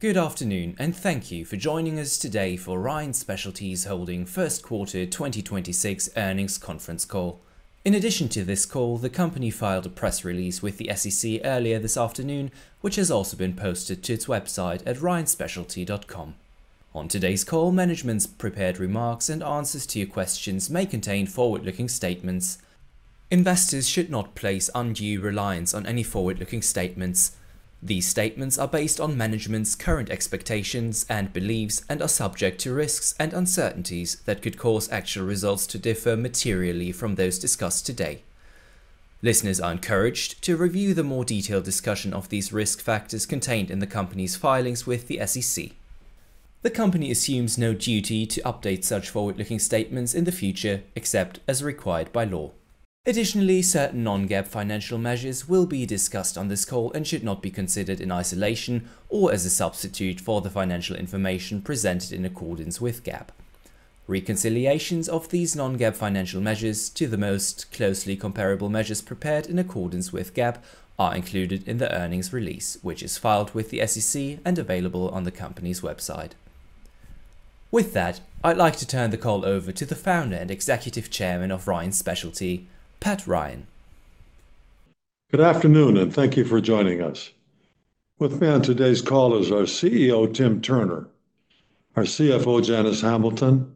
Good afternoon. Thank you for joining us today for Ryan Specialty Holdings' first quarter 2026 earnings conference call. In addition to this call, the company filed a press release with the SEC earlier this afternoon, which has also been posted to its website at ryanspecialty.com. On today's call, management's prepared remarks and answers to your questions may contain forward-looking statements. Investors should not place undue reliance on any forward-looking statements. These statements are based on management's current expectations and beliefs and are subject to risks and uncertainties that could cause actual results to differ materially from those discussed today. Listeners are encouraged to review the more detailed discussion of these risk factors contained in the company's filings with the SEC. The company assumes no duty to update such forward-looking statements in the future, except as required by law. Additionally, certain non-GAAP financial measures will be discussed on this call and should not be considered in isolation or as a substitute for the financial information presented in accordance with GAAP. Reconciliations of these non-GAAP financial measures to the most closely comparable measures prepared in accordance with GAAP are included in the earnings release, which is filed with the SEC and available on the company's website. With that, I'd like to turn the call over to the Founder and Executive Chairman of Ryan Specialty, Patrick Ryan. Good afternoon and thank you for joining us. With me on today's call is our CEO, Tim Turner; our CFO, Janice Hamilton;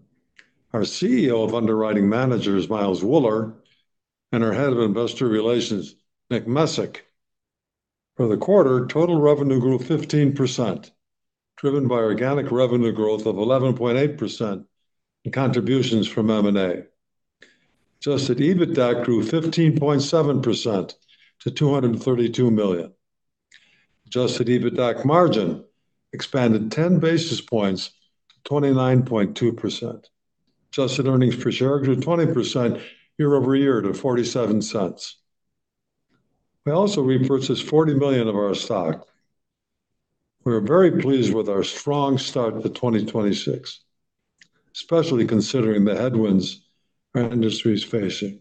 our CEO of Underwriting Managers, Miles Wuller; and our Head of Investor Relations, Nick Messick. For the quarter, total revenue grew 15%, driven by organic revenue growth of 11.8% and contributions from M&A. Adjusted EBITDA grew 15.7% to $232 million. Adjusted EBITDA margin expanded 10 basis points to 29.2%. Adjusted earnings per share grew 20% year over year to $0.47. We also repurchased $40 million of our stock. We are very pleased with our strong start to 2026, especially considering the headwinds our industry is facing.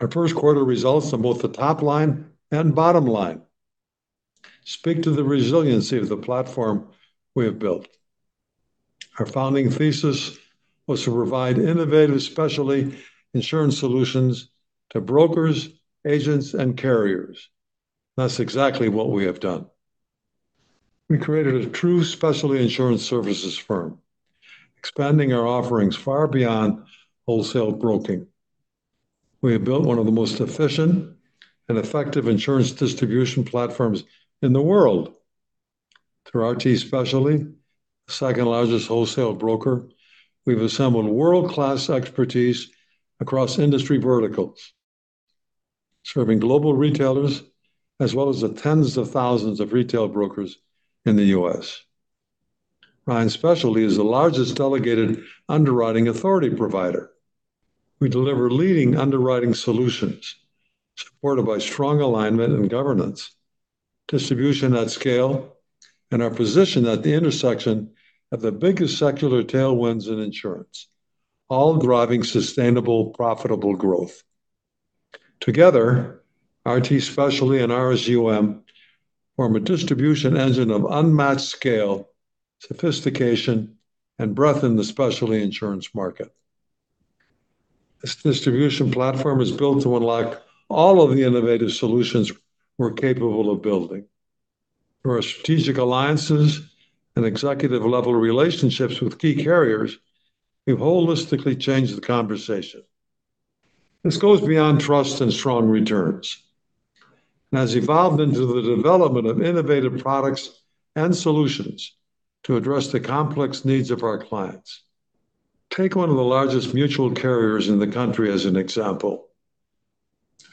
Our first quarter results on both the top line and bottom line speak to the resiliency of the platform we have built. Our founding thesis was to provide innovative specialty insurance solutions to brokers, agents, and carriers. That's exactly what we have done. We created a true specialty insurance services firm, expanding our offerings far beyond wholesale broking. We have built one of the most efficient and effective insurance distribution platforms in the world. Through RT Specialty, the second-largest wholesale broker, we've assembled world-class expertise across industry verticals, serving global retailers as well as the tens of thousands of retail brokers in the U.S. Ryan Specialty is the largest delegated underwriting authority provider. We deliver leading underwriting solutions supported by strong alignment and governance, distribution at scale, and our position at the intersection of the biggest secular tailwinds in insurance, all driving sustainable, profitable growth. Together, RT Specialty and RSUM form a distribution engine of unmatched scale, sophistication, and breadth in the specialty insurance market. This distribution platform is built to unlock all of the innovative solutions we're capable of building. Through our strategic alliances and executive-level relationships with key carriers, we've holistically changed the conversation. This goes beyond trust and strong returns and has evolved into the development of innovative products and solutions to address the complex needs of our clients. Take 1 of the largest mutual carriers in the country as an example.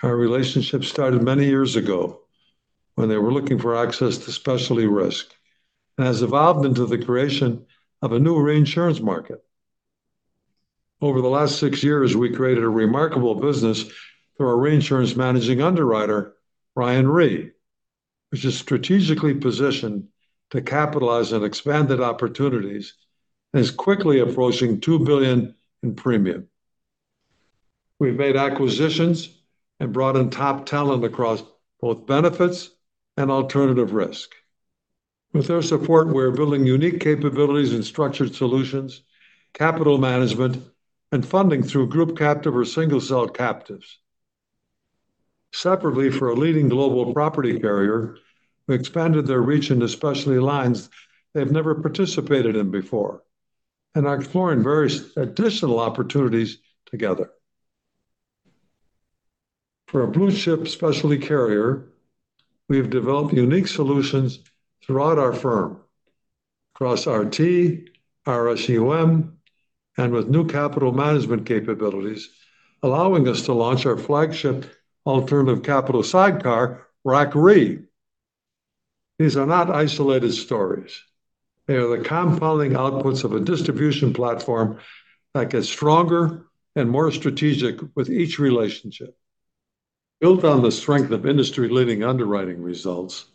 Our relationship started many years ago when they were looking for access to specialty risk and has evolved into the creation of a new reinsurance market. Over the last six years, we created a remarkable business through our reinsurance managing underwriter, Ryan Re, which is strategically positioned to capitalize on expanded opportunities and is quickly approaching $2 billion in premium. We've made acquisitions and brought in top talent across both benefits and alternative risk. With their support, we're building unique capabilities in structured solutions, capital management, and funding through group captive or single-celled captives. Separately, for a leading global property carrier, we expanded their reach into specialty lines they've never participated in before and are exploring various additional opportunities together. For a blue-chip specialty carrier, we have developed unique solutions throughout our firm across RT, RSUM, and with new capital management capabilities, allowing us to launch our flagship alternative capital sidecar, RAC Re. These are not isolated stories. They are the compounding outputs of a distribution platform that gets stronger and more strategic with each relationship. Built on the strength of industry-leading underwriting results,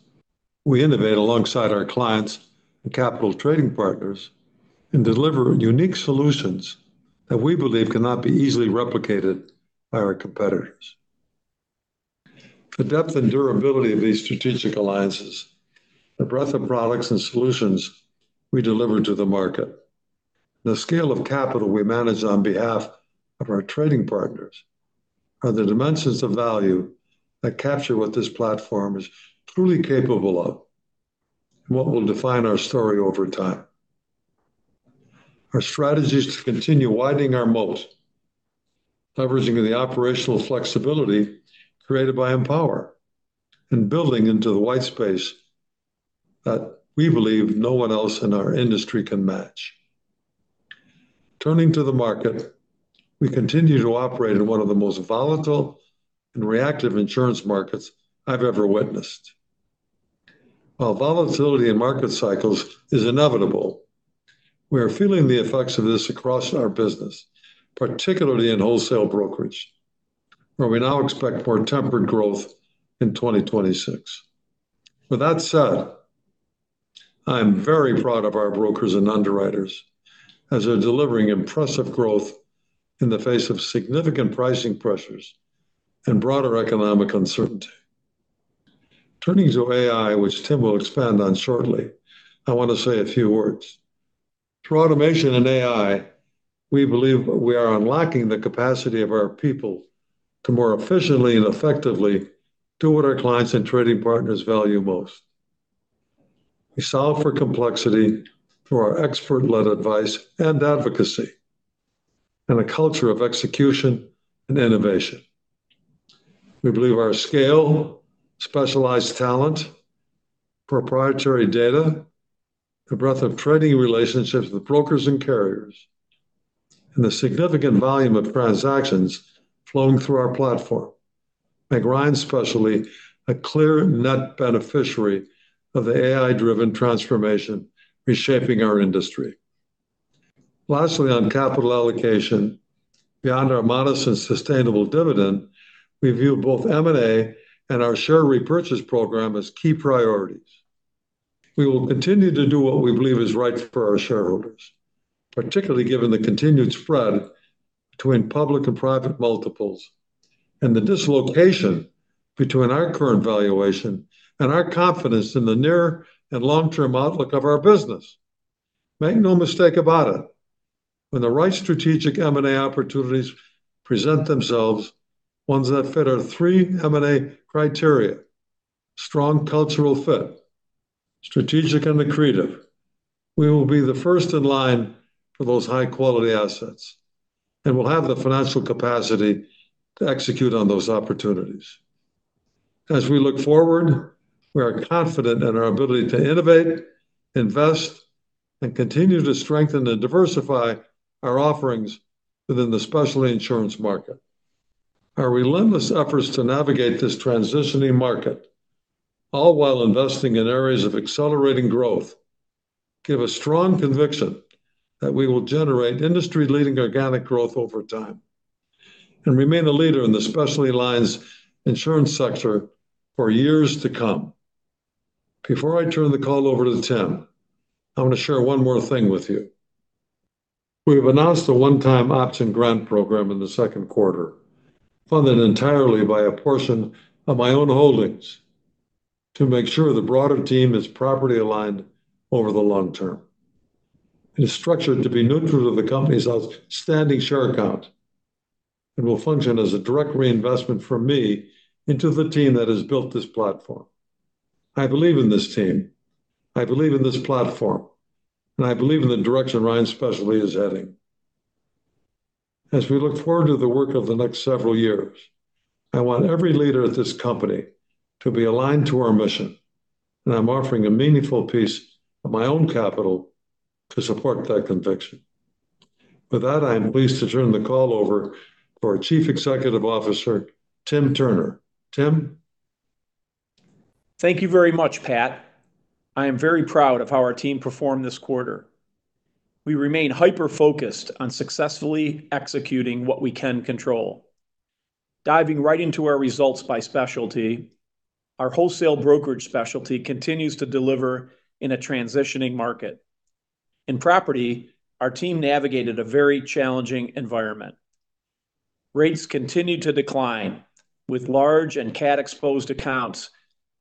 we innovate alongside our clients and capital trading partners and deliver unique solutions that we believe cannot be easily replicated by our competitors. The depth and durability of these strategic alliances, the breadth of products and solutions we deliver to the market, the scale of capital we manage on behalf of our trading partners are the dimensions of value that capture what this platform is truly capable of and what will define our story over time. Our strategy is to continue widening our moat, leveraging the operational flexibility created by Empower and building into the white space that we believe no one else in our industry can match. Turning to the market, we continue to operate in one of the most volatile and reactive insurance markets I've ever witnessed. While volatility in market cycles is inevitable, we are feeling the effects of this across our business, particularly in wholesale brokerage, where we now expect more tempered growth in 2026. With that said, I am very proud of our brokers and underwriters as they're delivering impressive growth in the face of significant pricing pressures and broader economic uncertainty. Turning to AI, which Tim will expand on shortly, I want to say a few words. Through automation and AI, we believe we are unlocking the capacity of our people to more efficiently and effectively do what our clients and trading partners value most. We solve for complexity through our expert-led advice and advocacy, and a culture of execution and innovation. We believe our scale, specialized talent, proprietary data, the breadth of trading relationships with brokers and carriers, and the significant volume of transactions flowing through our platform make Ryan Specialty a clear net beneficiary of the AI-driven transformation reshaping our industry. Lastly, on capital allocation, beyond our modest and sustainable dividend, we view both M&A and our share repurchase program as key priorities. We will continue to do what we believe is right for our shareholders, particularly given the continued spread between public and private multiples and the dislocation between our current valuation and our confidence in the near and long-term outlook of our business. Make no mistake about it, when the right strategic M&A opportunities present themselves, ones that fit our three M&A criteria: strong cultural fit, strategic and accretive, we will be the first in line for those high-quality assets, and we'll have the financial capacity to execute on those opportunities. As we look forward, we are confident in our ability to innovate, invest, and continue to strengthen and diversify our offerings within the specialty insurance market. Our relentless efforts to navigate this transitioning market, all while investing in areas of accelerating growth, give a strong conviction that we will generate industry-leading organic growth over time and remain a leader in the specialty lines insurance sector for years to come. Before I turn the call over to Tim, I'm going to share one more thing with you. We have announced a one-time option grant program in the second quarter, funded entirely by a portion of my own holdings to make sure the broader team is properly aligned over the long term. It is structured to be neutral to the company's outstanding share count and will function as a direct reinvestment from me into the team that has built this platform. I believe in this team, I believe in this platform, and I believe in the direction Ryan Specialty is heading. As we look forward to the work of the next several years, I want every leader at this company to be aligned to our mission, and I'm offering a meaningful piece of my own capital to support that conviction. With that, I am pleased to turn the call over for our Chief Executive Officer, Tim Turner. Tim? Thank you very much, Patrick. I am very proud of how our team performed this quarter. We remain hyper-focused on successfully executing what we can control. Diving right into our results by specialty, our wholesale brokerage specialty continues to deliver in a transitioning market. In property, our team navigated a very challenging environment. Rates continued to decline, with large and cat-exposed accounts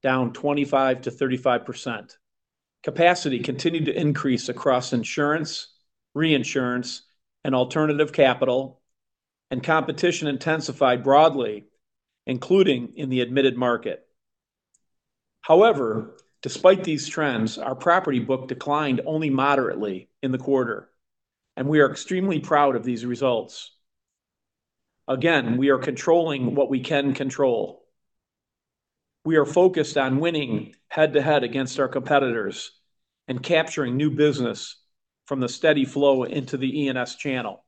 down 25%-35%. Capacity continued to increase across insurance, reinsurance, and alternative capital, competition intensified broadly, including in the admitted market. However, despite these trends, our property book declined only moderately in the quarter, and we are extremely proud of these results. Again, we are controlling what we can control. We are focused on winning head-to-head against our competitors and capturing new business from the steady flow into the E&S channel.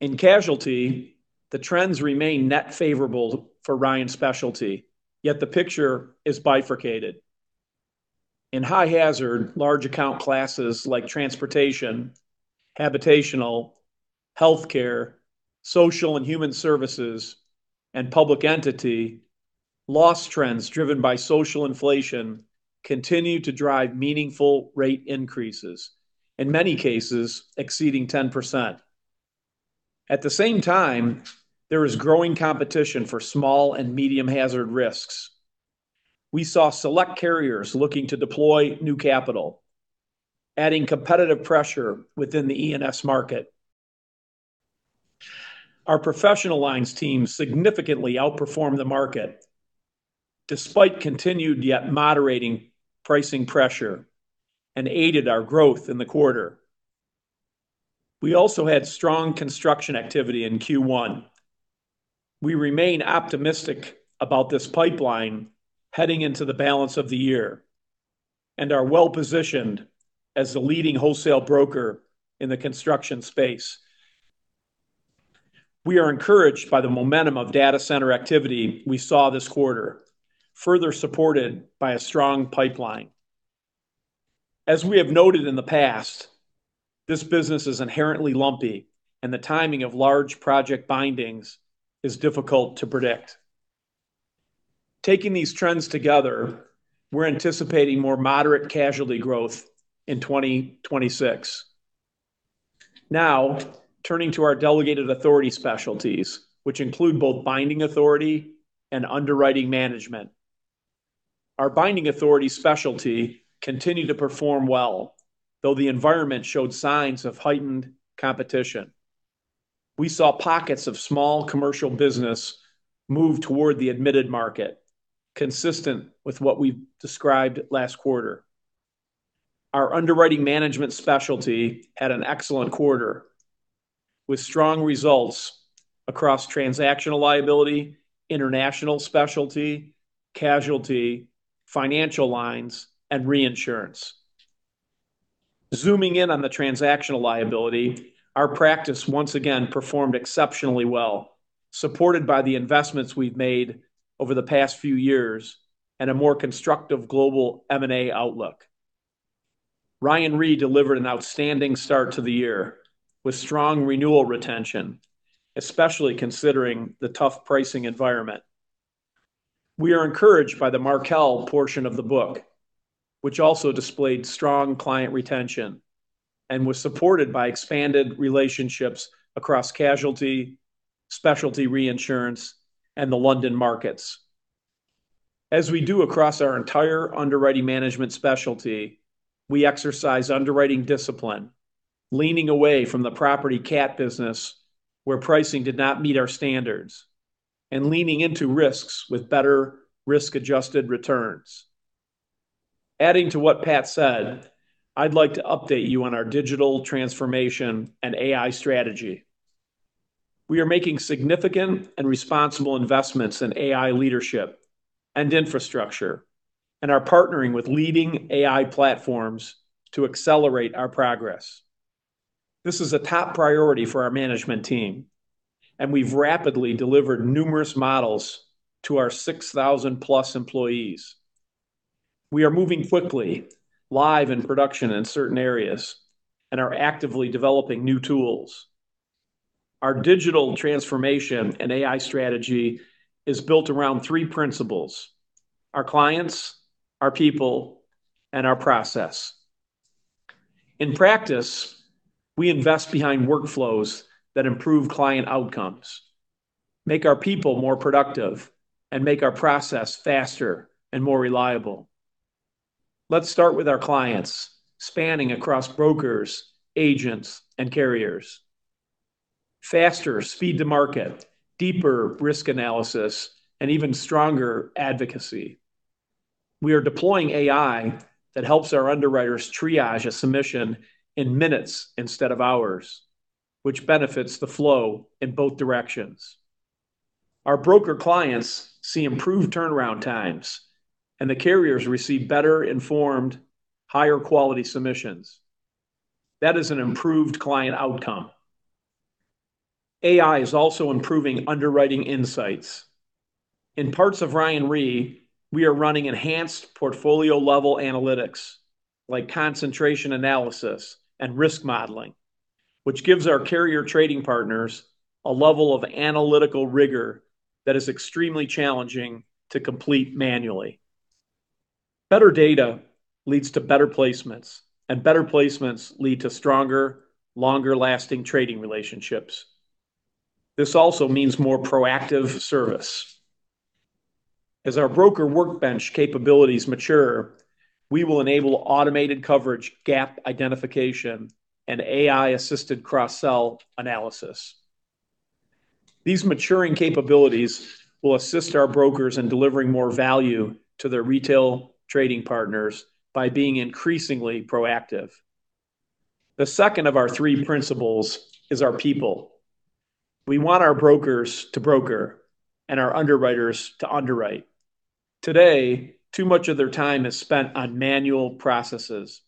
In casualty, the trends remain net favorable for Ryan Specialty, yet the picture is bifurcated. In high hazard, large account classes like transportation, habitational, healthcare, social and human services, and public entity, loss trends driven by social inflation continue to drive meaningful rate increases, in many cases exceeding 10%. At the same time, there is growing competition for small and medium hazard risks. We saw select carriers looking to deploy new capital, adding competitive pressure within the E&S market. Our professional lines team significantly outperformed the market despite continued yet moderating pricing pressure and aided our growth in the quarter. We also had strong construction activity in Q1. We remain optimistic about this pipeline heading into the balance of the year and are well-positioned as the leading wholesale broker in the construction space. We are encouraged by the momentum of data center activity we saw this quarter, further supported by a strong pipeline. As we have noted in the past, this business is inherently lumpy, and the timing of large project bindings is difficult to predict. Taking these trends together, we're anticipating more moderate casualty growth in 2026. Turning to our delegated authority specialties, which include both binding authority and underwriting management. Our binding authority specialty continued to perform well, though the environment showed signs of heightened competition. We saw pockets of small commercial business move toward the admitted market, consistent with what we described last quarter. Our underwriting management specialty had an excellent quarter with strong results across transactional liability, international specialty, casualty, financial lines, and reinsurance. Zooming in on the transactional liability, our practice once again performed exceptionally well, supported by the investments we've made over the past few years and a more constructive global M&A outlook. Ryan Re delivered an outstanding start to the year with strong renewal retention, especially considering the tough pricing environment. We are encouraged by the Markel portion of the book, which also displayed strong client retention and was supported by expanded relationships across casualty, specialty reinsurance, and the London markets. As we do across our entire underwriting management specialty, we exercise underwriting discipline, leaning away from the property cat business where pricing did not meet our standards and leaning into risks with better risk-adjusted returns. Adding to what Patrick said, I'd like to update you on our digital transformation and AI strategy. We are making significant and responsible investments in AI leadership and infrastructure and are partnering with leading AI platforms to accelerate our progress. This is a top priority for our management team. We've rapidly delivered numerous models to our 6,000+ employees. We are moving quickly, live in production in certain areas. We are actively developing new tools. Our digital transformation and AI strategy is built around 3 principles: our clients, our people, and our process. In practice, we invest behind workflows that improve client outcomes, make our people more productive, and make our process faster and more reliable. Let's start with our clients, spanning across brokers, agents, and carriers. Faster speed to market, deeper risk analysis, and even stronger advocacy. We are deploying AI that helps our underwriters triage a submission in minutes instead of hours, which benefits the flow in both directions. Our broker clients see improved turnaround times, and the carriers receive better-informed, higher-quality submissions. That is an improved client outcome. AI is also improving underwriting insights. In parts of Ryan Re, we are running enhanced portfolio-level analytics like concentration analysis and risk modeling, which gives our carrier trading partners a level of analytical rigor that is extremely challenging to complete manually. Better data leads to better placements, and better placements lead to stronger, longer-lasting trading relationships. This also means more proactive service. As our broker workbench capabilities mature, we will enable automated coverage, gap identification, and AI-assisted cross-sell analysis. These maturing capabilities will assist our brokers in delivering more value to their retail trading partners by being increasingly proactive. The second of our three principles is our people. We want our brokers to broker and our underwriters to underwrite. Today, too much of their time is spent on manual processes,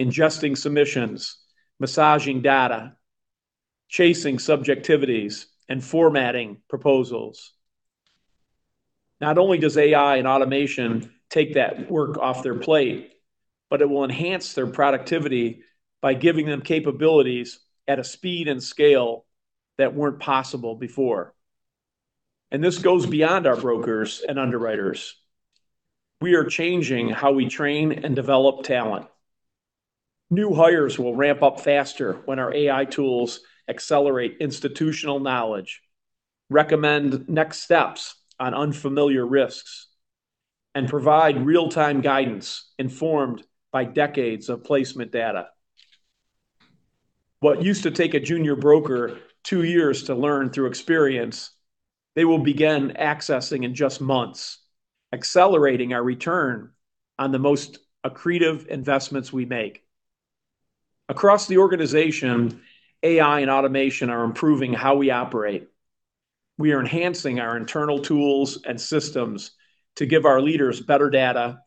ingesting submissions, massaging data, chasing subjectivities, and formatting proposals. Not only does AI and automation take that work off their plate, but it will enhance their productivity by giving them capabilities at a speed and scale that weren't possible before. This goes beyond our brokers and underwriters. We are changing how we train and develop talent. New hires will ramp up faster when our AI tools accelerate institutional knowledge, recommend next steps on unfamiliar risks, and provide real-time guidance informed by decades of placement data. What used to take a junior broker two years to learn through experience, they will begin accessing in just months, accelerating our return on the most accretive investments we make. Across the organization, AI and automation are improving how we operate. We are enhancing our internal tools and systems to give our leaders better data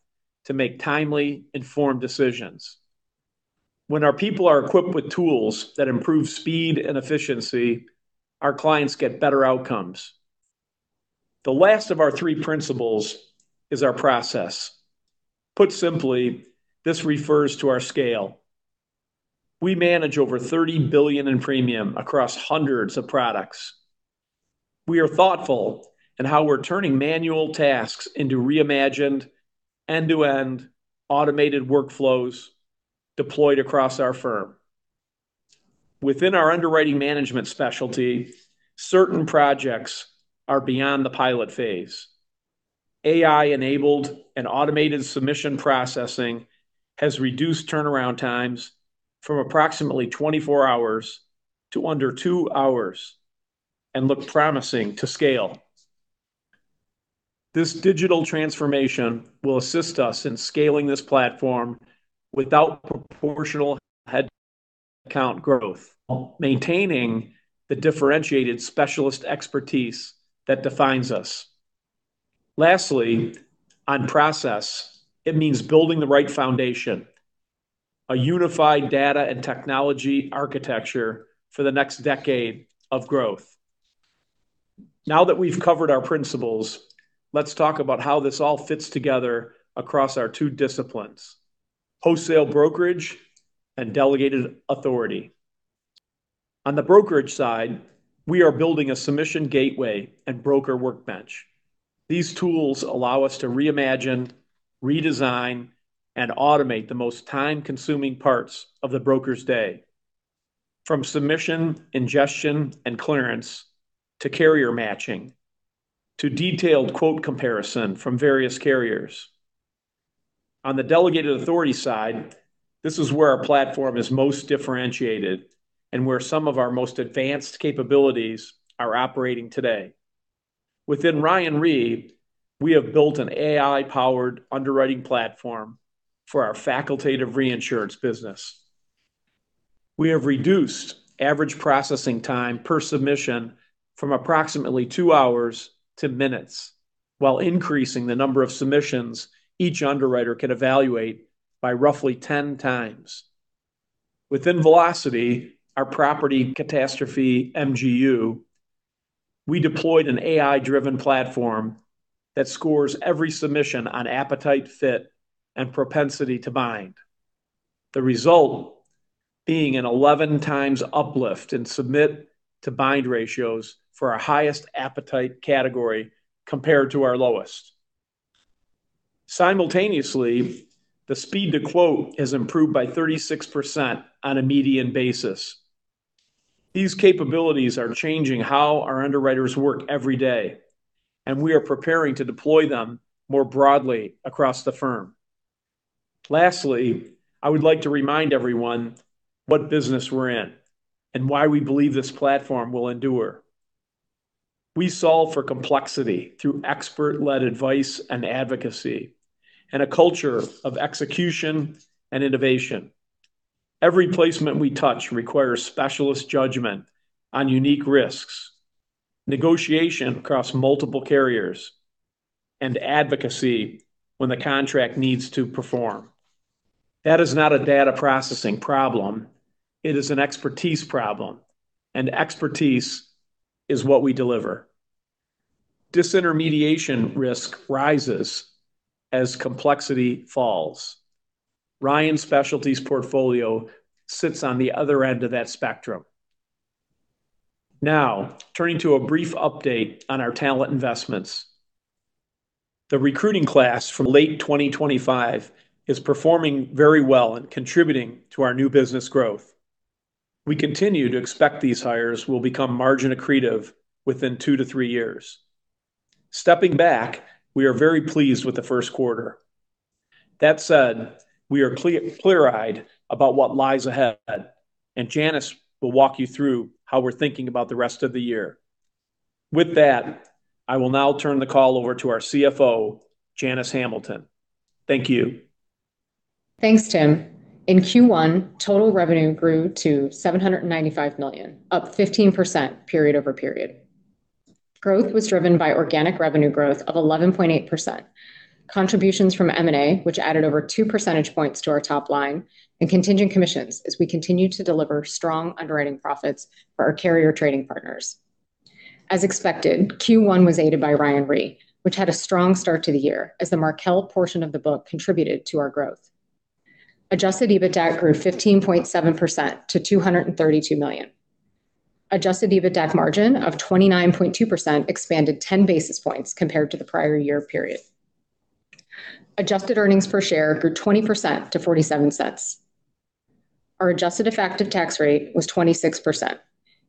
to make timely, informed decisions. When our people are equipped with tools that improve speed and efficiency, our clients get better outcomes. The last of our three principles is our process. Put simply, this refers to our scale. We manage over $30 billion in premium across hundreds of products. We are thoughtful in how we're turning manual tasks into reimagined, end-to-end automated workflows deployed across our firm. Within our underwriting management specialty, certain projects are beyond the pilot phase. AI-enabled and automated submission processing has reduced turnaround times from approximately 24 hours to under two hours and look promising to scale. This digital transformation will assist us in scaling this platform without proportional head count growth, maintaining the differentiated specialist expertise that defines us. Lastly, on process, it means building the right foundation, a unified data and technology architecture for the next decade of growth. Now that we've covered our principles, let's talk about how this all fits together across our two disciplines, wholesale brokerage and delegated authority. On the brokerage side, we are building a submission gateway and broker workbench. These tools allow us to reimagine, redesign, and automate the most time-consuming parts of the broker's day, from submission, ingestion, and clearance to carrier matching, to detailed quote comparison from various carriers. On the delegated authority side, this is where our platform is most differentiated and where some of our most advanced capabilities are operating today. Within Ryan Re, we have built an AI-powered underwriting platform for our facultative reinsurance business. We have reduced average processing time per submission from approximately two hours to minutes while increasing the number of submissions each underwriter can evaluate by roughly 10x. Within Velocity, our property catastrophe MGU, we deployed an AI-driven platform that scores every submission on appetite fit and propensity to bind. The result being an 11x uplift in submit to bind ratios for our highest appetite category compared to our lowest. Simultaneously, the speed to quote has improved by 36% on a median basis. These capabilities are changing how our underwriters work every day, and we are preparing to deploy them more broadly across the firm. Lastly, I would like to remind everyone what business we're in and why we believe this platform will endure. We solve for complexity through expert-led advice and advocacy and a culture of execution and innovation. Every placement we touch requires specialist judgment on unique risks, negotiation across multiple carriers, and advocacy when the contract needs to perform. That is not a data processing problem. It is an expertise problem, and expertise is what we deliver. Disintermediation risk rises as complexity falls. Ryan Specialty's portfolio sits on the other end of that spectrum. Now, turning to a brief update on our talent investments. The recruiting class from late 2025 is performing very well and contributing to our new business growth. We continue to expect these hires will become margin accretive within two-three years. Stepping back, we are very pleased with the first quarter. That said, we are clear-eyed about what lies ahead, and Janice will walk you through how we're thinking about the rest of the year. With that, I will now turn the call over to our CFO, Janice Hamilton. Thank you. Thanks, Tim. In Q1, total revenue grew to $795 million, up 15% period-over-period. Growth was driven by organic revenue growth of 11.8%. Contributions from M&A, which added over 2 percentage points to our top line and contingent commissions as we continue to deliver strong underwriting profits for our carrier trading partners. As expected, Q1 was aided by Ryan Re, which had a strong start to the year as the Markel portion of the book contributed to our growth. Adjusted EBITDA grew 15.7% to $232 million. Adjusted EBITDA margin of 29.2% expanded 10 basis points compared to the prior year period. Adjusted earnings per share grew 20% to $0.47. Our adjusted effective tax rate was 26%.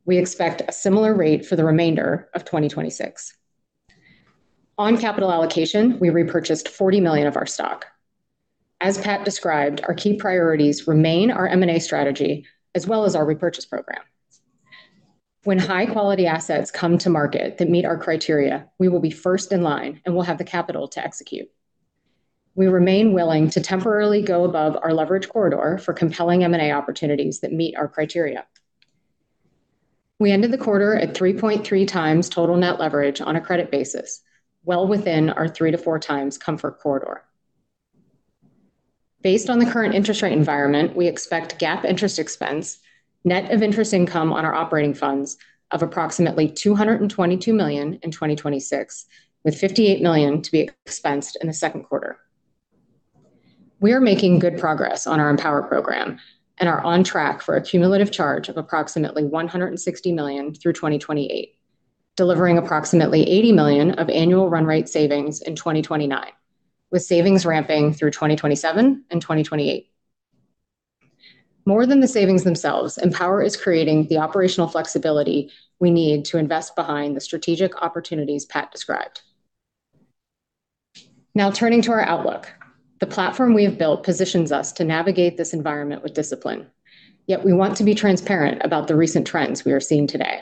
We expect a similar rate for the remainder of 2026. On capital allocation, we repurchased $40 million of our stock. As Patrick described, our key priorities remain our M&A strategy as well as our repurchase program. When high-quality assets come to market that meet our criteria, we will be first in line, and we'll have the capital to execute. We remain willing to temporarily go above our leverage corridor for compelling M&A opportunities that meet our criteria. We ended the quarter at 3.3x total net leverage on a credit basis, well within our 3x-4x comfort corridor. Based on the current interest rate environment, we expect GAAP interest expense, net of interest income on our operating funds of approximately $222 million in 2026, with $58 million to be expensed in the second quarter. We are making good progress on our Empower program and are on track for a cumulative charge of approximately $160 million through 2028, delivering approximately $80 million of annual run rate savings in 2029, with savings ramping through 2027 and 2028. More than the savings themselves, Empower is creating the operational flexibility we need to invest behind the strategic opportunities Pat described. Now turning to our outlook. The platform we have built positions us to navigate this environment with discipline. Yet we want to be transparent about the recent trends we are seeing today.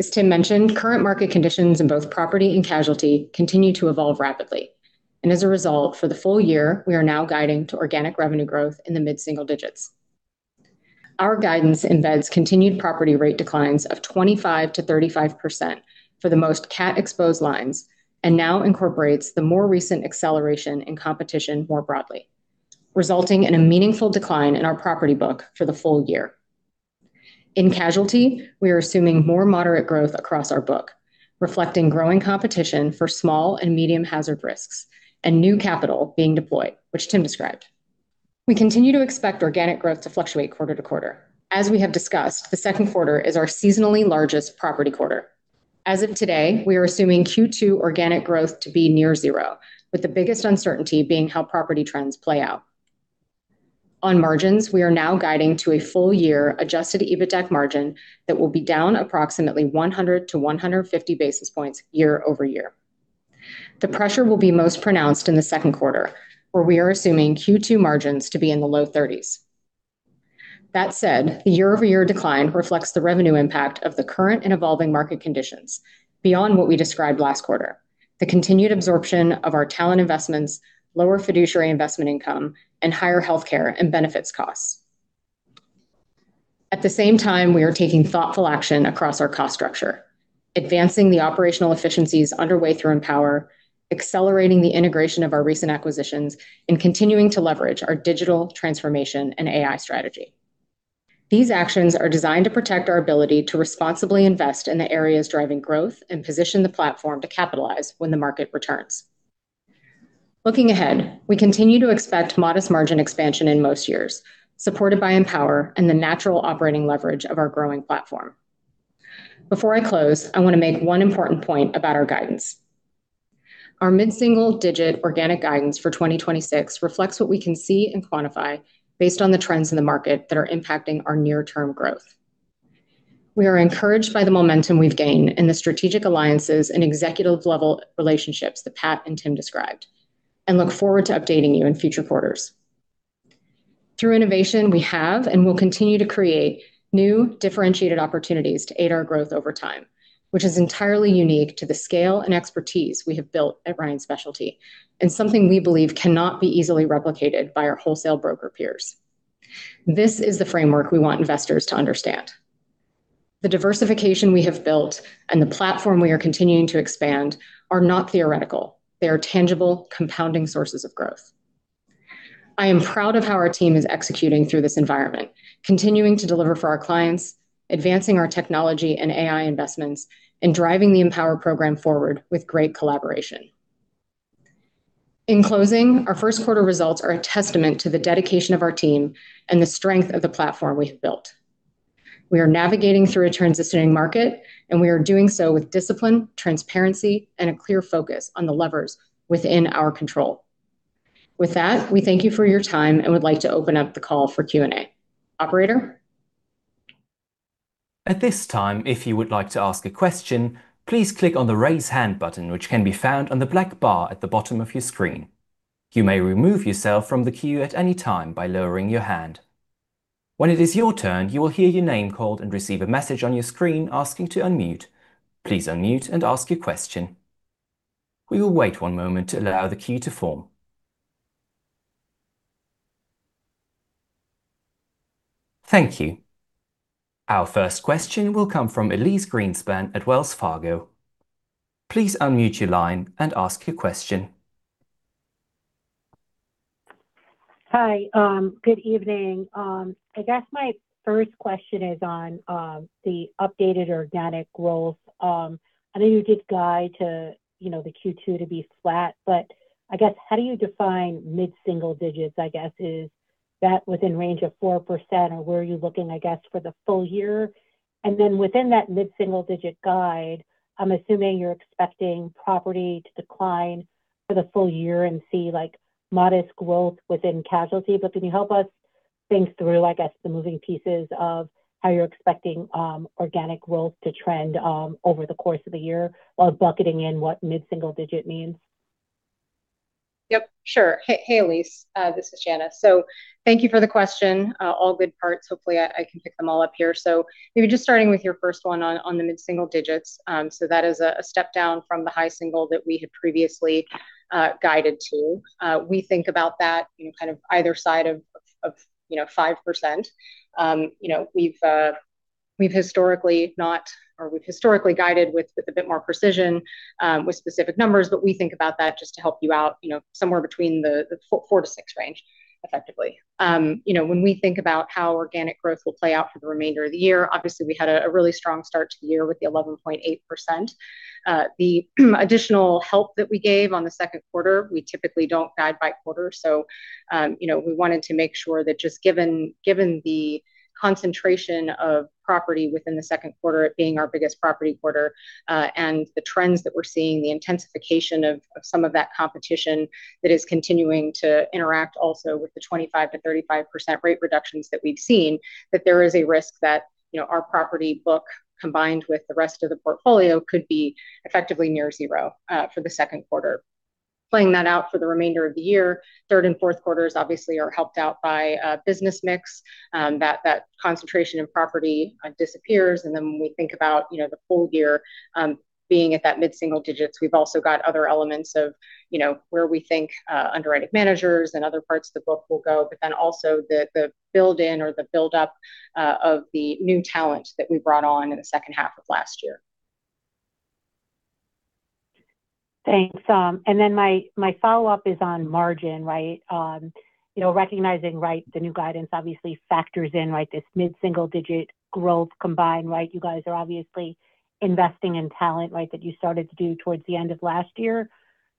As Tim mentioned, current market conditions in both Property and Casualty continue to evolve rapidly, and as a result, for the full year, we are now guiding to organic revenue growth in the mid-single digits. Our guidance embeds continued property rate declines of 25%-35% for the most cat-exposed lines and now incorporates the more recent acceleration in competition more broadly, resulting in a meaningful decline in our property book for the full year. In casualty, we are assuming more moderate growth across our book, reflecting growing competition for small and medium hazard risks and new capital being deployed, which Tim described. We continue to expect organic growth to fluctuate quarter to quarter. As we have discussed, the second quarter is our seasonally largest property quarter. As of today, we are assuming Q2 organic growth to be near zero, with the biggest uncertainty being how property trends play out. On margins, we are now guiding to a full year adjusted EBITDA margin that will be down approximately 100-150 basis points year over year. The pressure will be most pronounced in the second quarter, where we are assuming Q2 margins to be in the low thirties. That said, the year-over-year decline reflects the revenue impact of the current and evolving market conditions beyond what we described last quarter, the continued absorption of our talent investments, lower fiduciary investment income, and higher healthcare and benefits costs. At the same time, we are taking thoughtful action across our cost structure, advancing the operational efficiencies underway through Empower, accelerating the integration of our recent acquisitions, and continuing to leverage our digital transformation and AI strategy. These actions are designed to protect our ability to responsibly invest in the areas driving growth and position the platform to capitalize when the market returns. Looking ahead, we continue to expect modest margin expansion in most years, supported by Empower and the natural operating leverage of our growing platform. Before I close, I want to make one important point about our guidance. Our mid-single-digit organic guidance for 2026 reflects what we can see and quantify based on the trends in the market that are impacting our near-term growth. We are encouraged by the momentum we've gained in the strategic alliances and executive-level relationships that Patrick and Tim described and look forward to updating you in future quarters. Through innovation, we have and will continue to create new differentiated opportunities to aid our growth over time, which is entirely unique to the scale and expertise we have built at Ryan Specialty and something we believe cannot be easily replicated by our wholesale broker peers. This is the framework we want investors to understand. The diversification we have built and the platform we are continuing to expand are not theoretical. They are tangible, compounding sources of growth. I am proud of how our team is executing through this environment, continuing to deliver for our clients, advancing our technology and AI investments, and driving the Empower program forward with great collaboration. In closing, our first quarter results are a testament to the dedication of our team and the strength of the platform we have built. We are navigating through a transitioning market, and we are doing so with discipline, transparency, and a clear focus on the levers within our control. With that, we thank you for your time and would like to open up the call for Q&A. Operator? At this time, if you would like to ask a question, please click on the Raise Hand button, which can be found on the black bar at the bottom of your screen. You may remove yourself from the queue at any time by lowering your hand. When it is your turn, you will hear your name called and receive a message on your screen asking to unmute. Please unmute and ask your question. We will wait one moment to allow the queue to form. Thank you. Our first question will come from Elyse Greenspan at Wells Fargo. Please unmute your line and ask your question. Hi, good evening. I guess my first question is on the updated organic growth. I know you did guide to, you know, the Q2 to be flat, but I guess how do you define mid-single digits, I guess, is that within range of 4%, or where are you looking, I guess, for the full year? Within that mid-single digit guide, I'm assuming you're expecting property to decline for the full year and see, like, modest growth within casualty. Can you help us think through, I guess, the moving pieces of how you're expecting organic growth to trend over the course of the year while bucketing in what mid-single digit means? Yep, sure. Hey, Elyse. This is Janice. Thank you for the question. All good parts. Hopefully I can pick them all up here. Maybe just starting with your first one on the mid-single digits. That is a step down from the high single that we had previously guided to. We think about that, you know, kind of either side of you know, 5%. You know, we've historically guided with a bit more precision, with specific numbers. We think about that just to help you out, you know, somewhere between the 4%-6% range, effectively. You know, when we think about how organic growth will play out for the remainder of the year, obviously we had a really strong start to the year with the 11.8%. The additional help that we gave on the second quarter, we typically don't guide by quarter, so, you know we wanted to make sure that just given the concentration of property within the second quarter being our biggest property quarter, and the trends that we're seeing, the intensification of some of that competition that is continuing to interact also with the 25%-35% rate reductions that we've seen, that there is a risk that, you know, our property book, combined with the rest of the portfolio, could be effectively near zero for the second quarter. Playing that out for the remainder of the year, third and fourth quarters obviously are helped out by business mix. That concentration in property disappears, and then when we think about, you know, the full year, being at that mid-single digits, we've also got other elements of, you know, where we think underwriting managers and other parts of the book will go, but then also the build in or the buildup of the new talent that we brought on in the second half of last year. Thanks. My follow-up is on margin, right? You know, recognizing, right, the new guidance obviously factors in, right, this mid-single digit growth combined, right? You guys are obviously investing in talent, right, that you started to do towards the end of last year.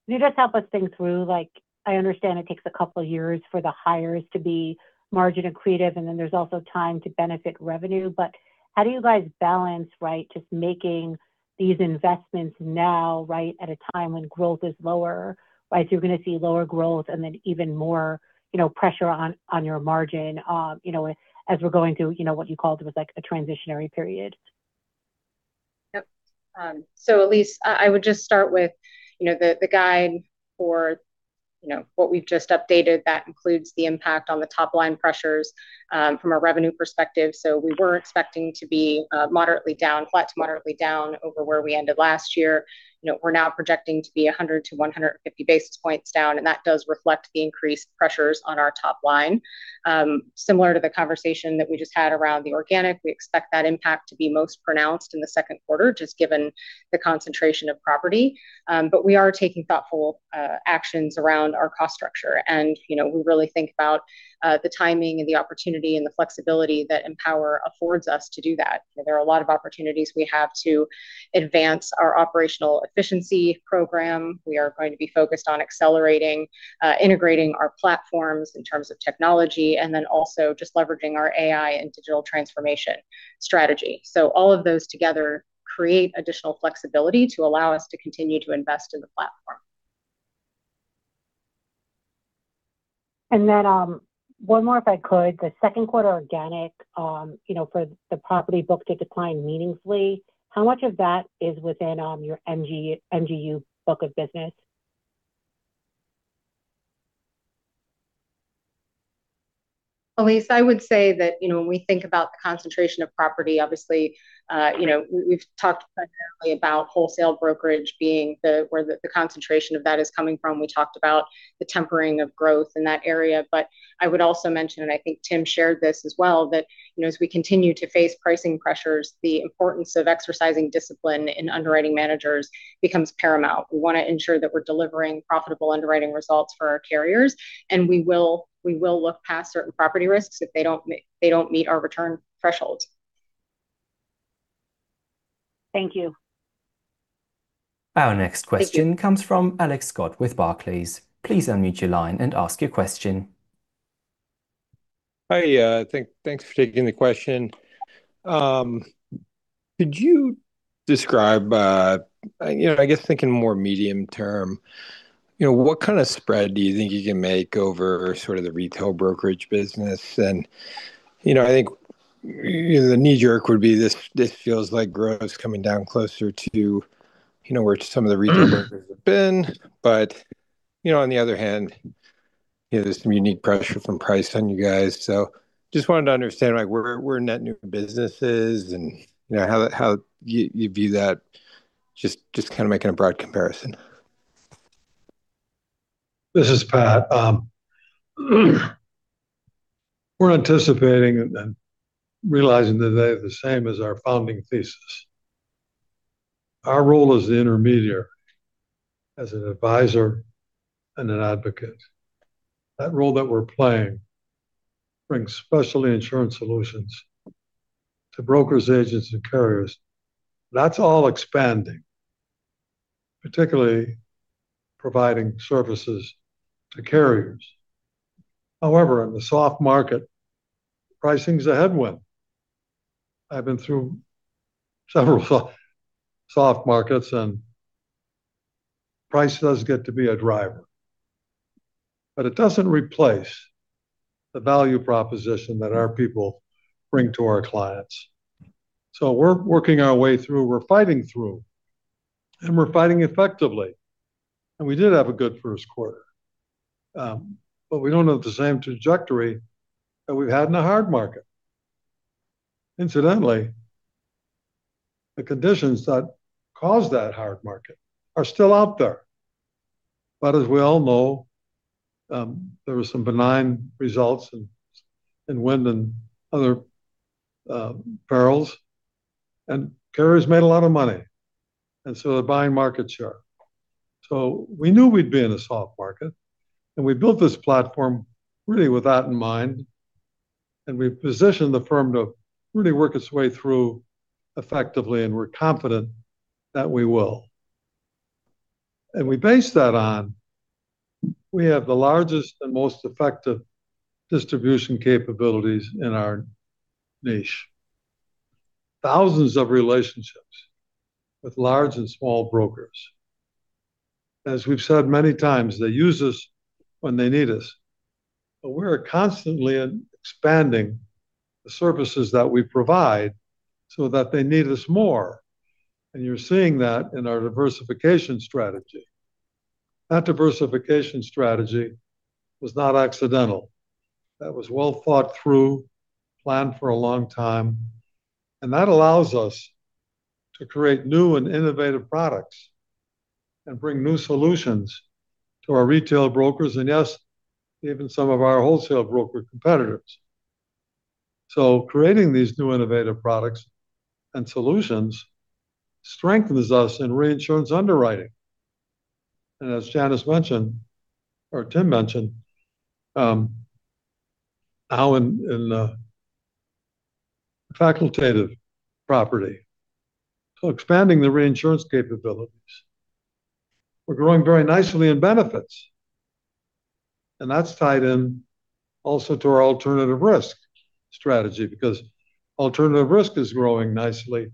Can you just help us think through, like, I understand it takes couple years for the hires to be margin accretive, and then there's also time to benefit revenue, but how do you guys balance, right, just making these investments now, right, at a time when growth is lower, right? You're gonna see lower growth and then even more, you know, pressure on your margin, you know, as we're going through, you know, what you called was, like, a transitionary period. Yep. Elyse, I would just start with, you know, the guide for, you know, what we've just updated. That includes the impact on the top line pressures from a revenue perspective. We were expecting to be moderately down, flat to moderately down over where we ended last year. You know, we're now projecting to be 100-150 basis points down, and that does reflect the increased pressures on our top line. Similar to the conversation that we just had around the organic, we expect that impact to be most pronounced in the second quarter, just given the concentration of property. We are taking thoughtful actions around our cost structure and, you know, we really think about the timing and the opportunity and the flexibility that Empower affords us to do that. You know, there are a lot of opportunities we have to advance our operational efficiency program. We are going to be focused on accelerating, integrating our platforms in terms of technology, and then also just leveraging our AI and digital transformation strategy. All of those together create additional flexibility to allow us to continue to invest in the platform. One more if I could. The second quarter organic, you know, for the property book to decline meaningfully, how much of that is within your MGU book of business? Elyse, I would say that, you know, when we think about the concentration of property, obviously, you know, we've talked primarily about wholesale brokerage being the, where the concentration of that is coming from. We talked about the tempering of growth in that area. I would also mention, and I think Tim shared this as well, that, you know, as we continue to face pricing pressures, the importance of exercising discipline in underwriting managers becomes paramount. We wanna ensure that we're delivering profitable underwriting results for our carriers, and we will look past certain property risks if they don't meet our return threshold. Thank you. Our next question. Thank you. The next question comes from Alex Scott with Barclays. Please unmute your line and ask your question. Hi, thanks for taking the question. Could you describe, you know, I guess thinking more medium term, you know, what kind of spread do you think you can make over sort of the retail brokerage business? You know, I think the knee-jerk would be this feels like growth coming down closer to, you know, where some of the retail brokers have been. You know, on the other hand, you know, there's some unique pressure from price on you guys. Just wanted to understand, like, where net new business is and, you know, how that, how you view that, just kind of making a broad comparison. This is Patrick. We're anticipating and realizing today the same as our founding thesis. Our role as the intermediary, as an advisor and an advocate, that role that we're playing brings special insurance solutions to brokers, agents and carriers. That's all expanding, particularly providing services to carriers. However, in the soft market, pricing's a headwind. I've been through several soft markets and price does get to be a driver. It doesn't replace the value proposition that our people bring to our clients. We're working our way through, we're fighting through, and we're fighting effectively, and we did have a good first quarter. We don't have the same trajectory that we've had in a hard market. Incidentally, the conditions that caused that hard market are still out there. As we all know, there were some benign results in wind and other perils, and carriers made a lot of money, and so they're buying market share. We knew we'd be in a soft market, and we built this platform really with that in mind, and we've positioned the firm to really work its way through effectively, and we're confident that we will. We base that on. We have the largest and most effective distribution capabilities in our niche. Thousands of relationships with large and small brokers. As we've said many times, they use us when they need us. We're constantly expanding the services that we provide so that they need us more, and you're seeing that in our diversification strategy. That diversification strategy was not accidental. That was well thought through, planned for a long time, and that allows us to create new and innovative products and bring new solutions to our retail brokers and, yes, even some of our wholesale broker competitors. Creating these new innovative products and solutions strengthens us in reinsurance underwriting. As Janice mentioned, or Tim mentioned, how in facultative reinsurance, expanding the reinsurance capabilities. We're growing very nicely in benefits, and that's tied in also to our alternative risk strategy because alternative risk is growing nicely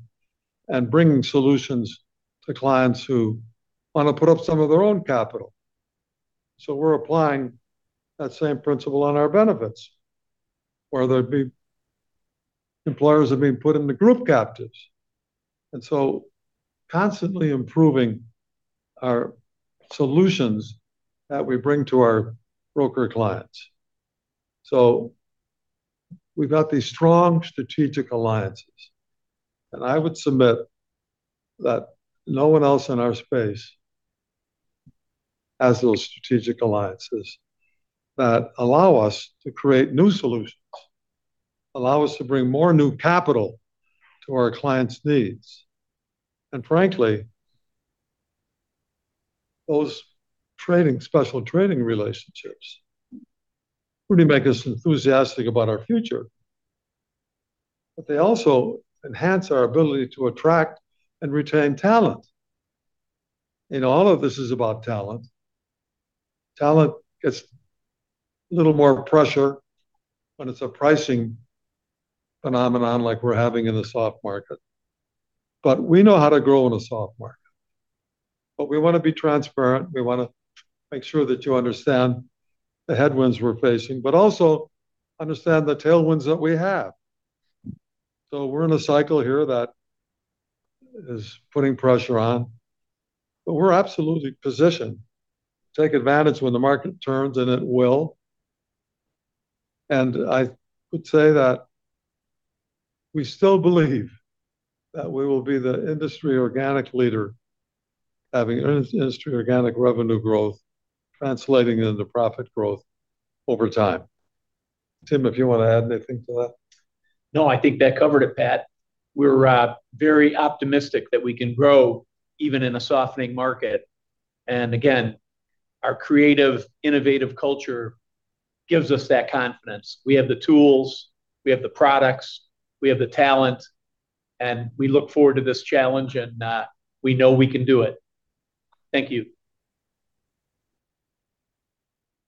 and bringing solutions to clients who wanna put up some of their own capital. We're applying that same principle on our benefits, where there'd be employers that are being put into group captives. Constantly improving our solutions that we bring to our broker clients. We've got these strong strategic alliances, and I would submit that no one else in our space has those strategic alliances that allow us to create new solutions, allow us to bring more new capital to our clients' needs. Frankly, those trading, special trading relationships really make us enthusiastic about our future. They also enhance our ability to attract and retain talent. All of this is about talent. Talent gets a little more pressure when it's a pricing phenomenon like we're having in the soft market. We know how to grow in a soft market. We wanna be transparent, we wanna make sure that you understand the headwinds we're facing but also understand the tailwinds that we have. We're in a cycle here that is putting pressure on, but we're absolutely positioned to take advantage when the market turns, and it will. I would say that we still believe that we will be the industry organic leader, having industry organic revenue growth translating into profit growth over time. Tim, if you wanna add anything to that? No, I think that covered it, Patrick. We're very optimistic that we can grow even in a softening market. Again, our creative, innovative culture gives us that confidence. We have the tools, we have the products, we have the talent, and we look forward to this challenge, and we know we can do it. Thank you.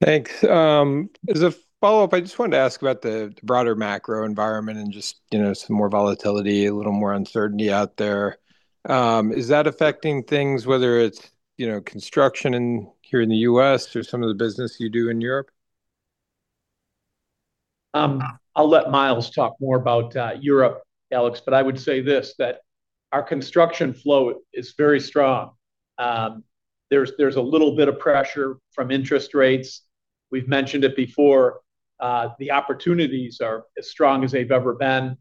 Thanks. As a follow-up, I just wanted to ask about the broader macro environment and just, you know, some more volatility, a little more uncertainty out there. Is that affecting things, whether it's, you know, construction in here in the U.S. or some of the business you do in Europe? I'll let Miles talk more about Europe, Alex, but I would say this, that our construction flow is very strong. There's a little bit of pressure from interest rates. We've mentioned it before, the opportunities are as strong as they've ever been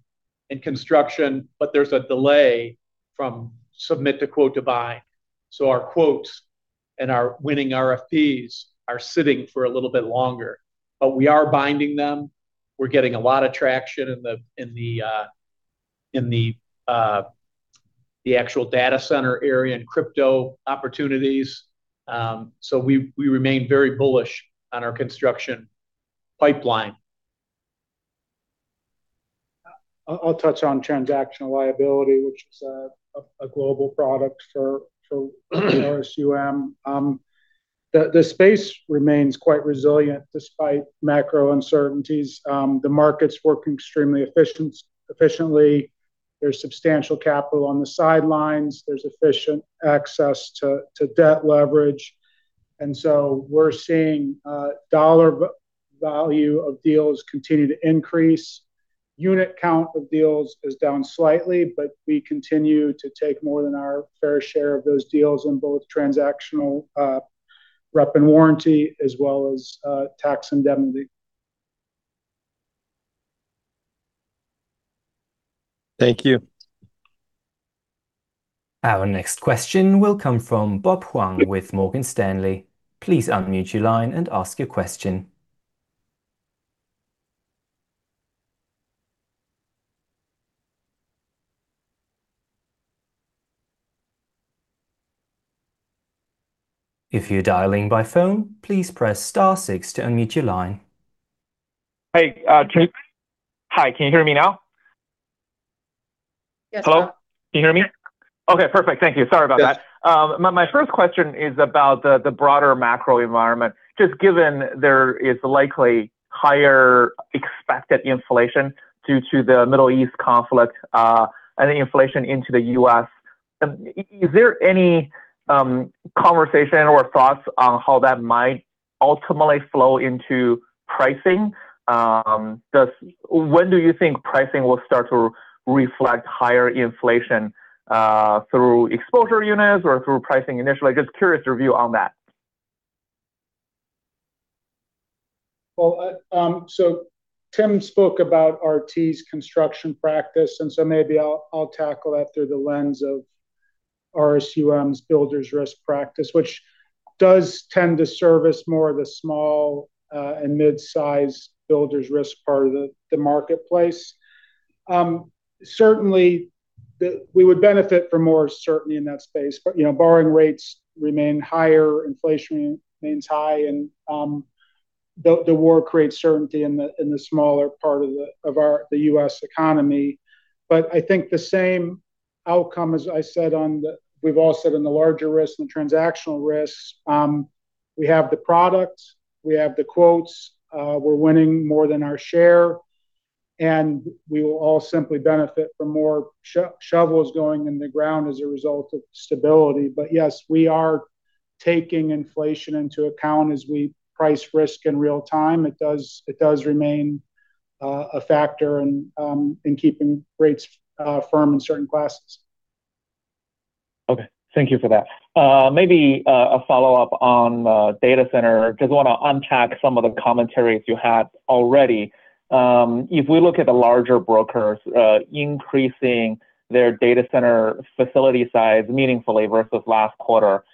in construction, but there's a delay from submit to quote to buy. Our quotes and our winning RFPs are sitting for a little bit longer, but we are binding them. We're getting a lot of traction in the actual data center area and crypto opportunities. We remain very bullish on our construction pipeline. I'll touch on transactional liability, which is a global product for RSUM. The space remains quite resilient despite macro uncertainties. The market's working extremely efficiently. There's substantial capital on the sidelines. There's efficient access to debt leverage. We're seeing dollar value of deals continue to increase. Unit count of deals is down slightly, but we continue to take more than our fair share of those deals on both transactional, representation and warranty, as well as tax indemnity. Thank you. Our next question will come from Bob Huang with Morgan Stanley. Please unmute your line and ask your question. If you're dialing by phone, please press star six to unmute your line. Hey, Tim. Hi, can you hear me now? Yes. Hello? Can you hear me? Okay, perfect. Thank you. Sorry about that. Yes. My first question is about the broader macro environment. Given there is likely higher expected inflation due to the Middle East conflict and the inflation into the U.S., is there any conversation or thoughts on how that might ultimately flow into pricing? When do you think, pricing will start to reflect higher inflation through exposure units or through pricing initially? Just curious your view on that. Tim Turner spoke about RT Specialty's construction practice, and maybe I'll tackle that through the lens of RSUM's builder's risk practice, which does tend to service more of the small and mid-size builder's risk part of the marketplace. Certainly, we would benefit from more certainty in that space, you know, borrowing rates remain higher, inflation remains high, and the war creates certainty in the smaller part of the U.S. economy. I think the same outcome, as I said on the larger risks and the transactional risks, we have the products, we have the quotes, we're winning more than our share, and we will all simply benefit from more shovels going in the ground as a result of stability. Yes, we are taking inflation into account as we price risk in real time. It does remain a factor in keeping rates firm in certain classes. Okay. Thank you for that. Maybe a follow-up on data center. Just wanna unpack some of the commentaries you had already. If we look at the larger brokers, increasing their data center facility size meaningfully versus last quarter,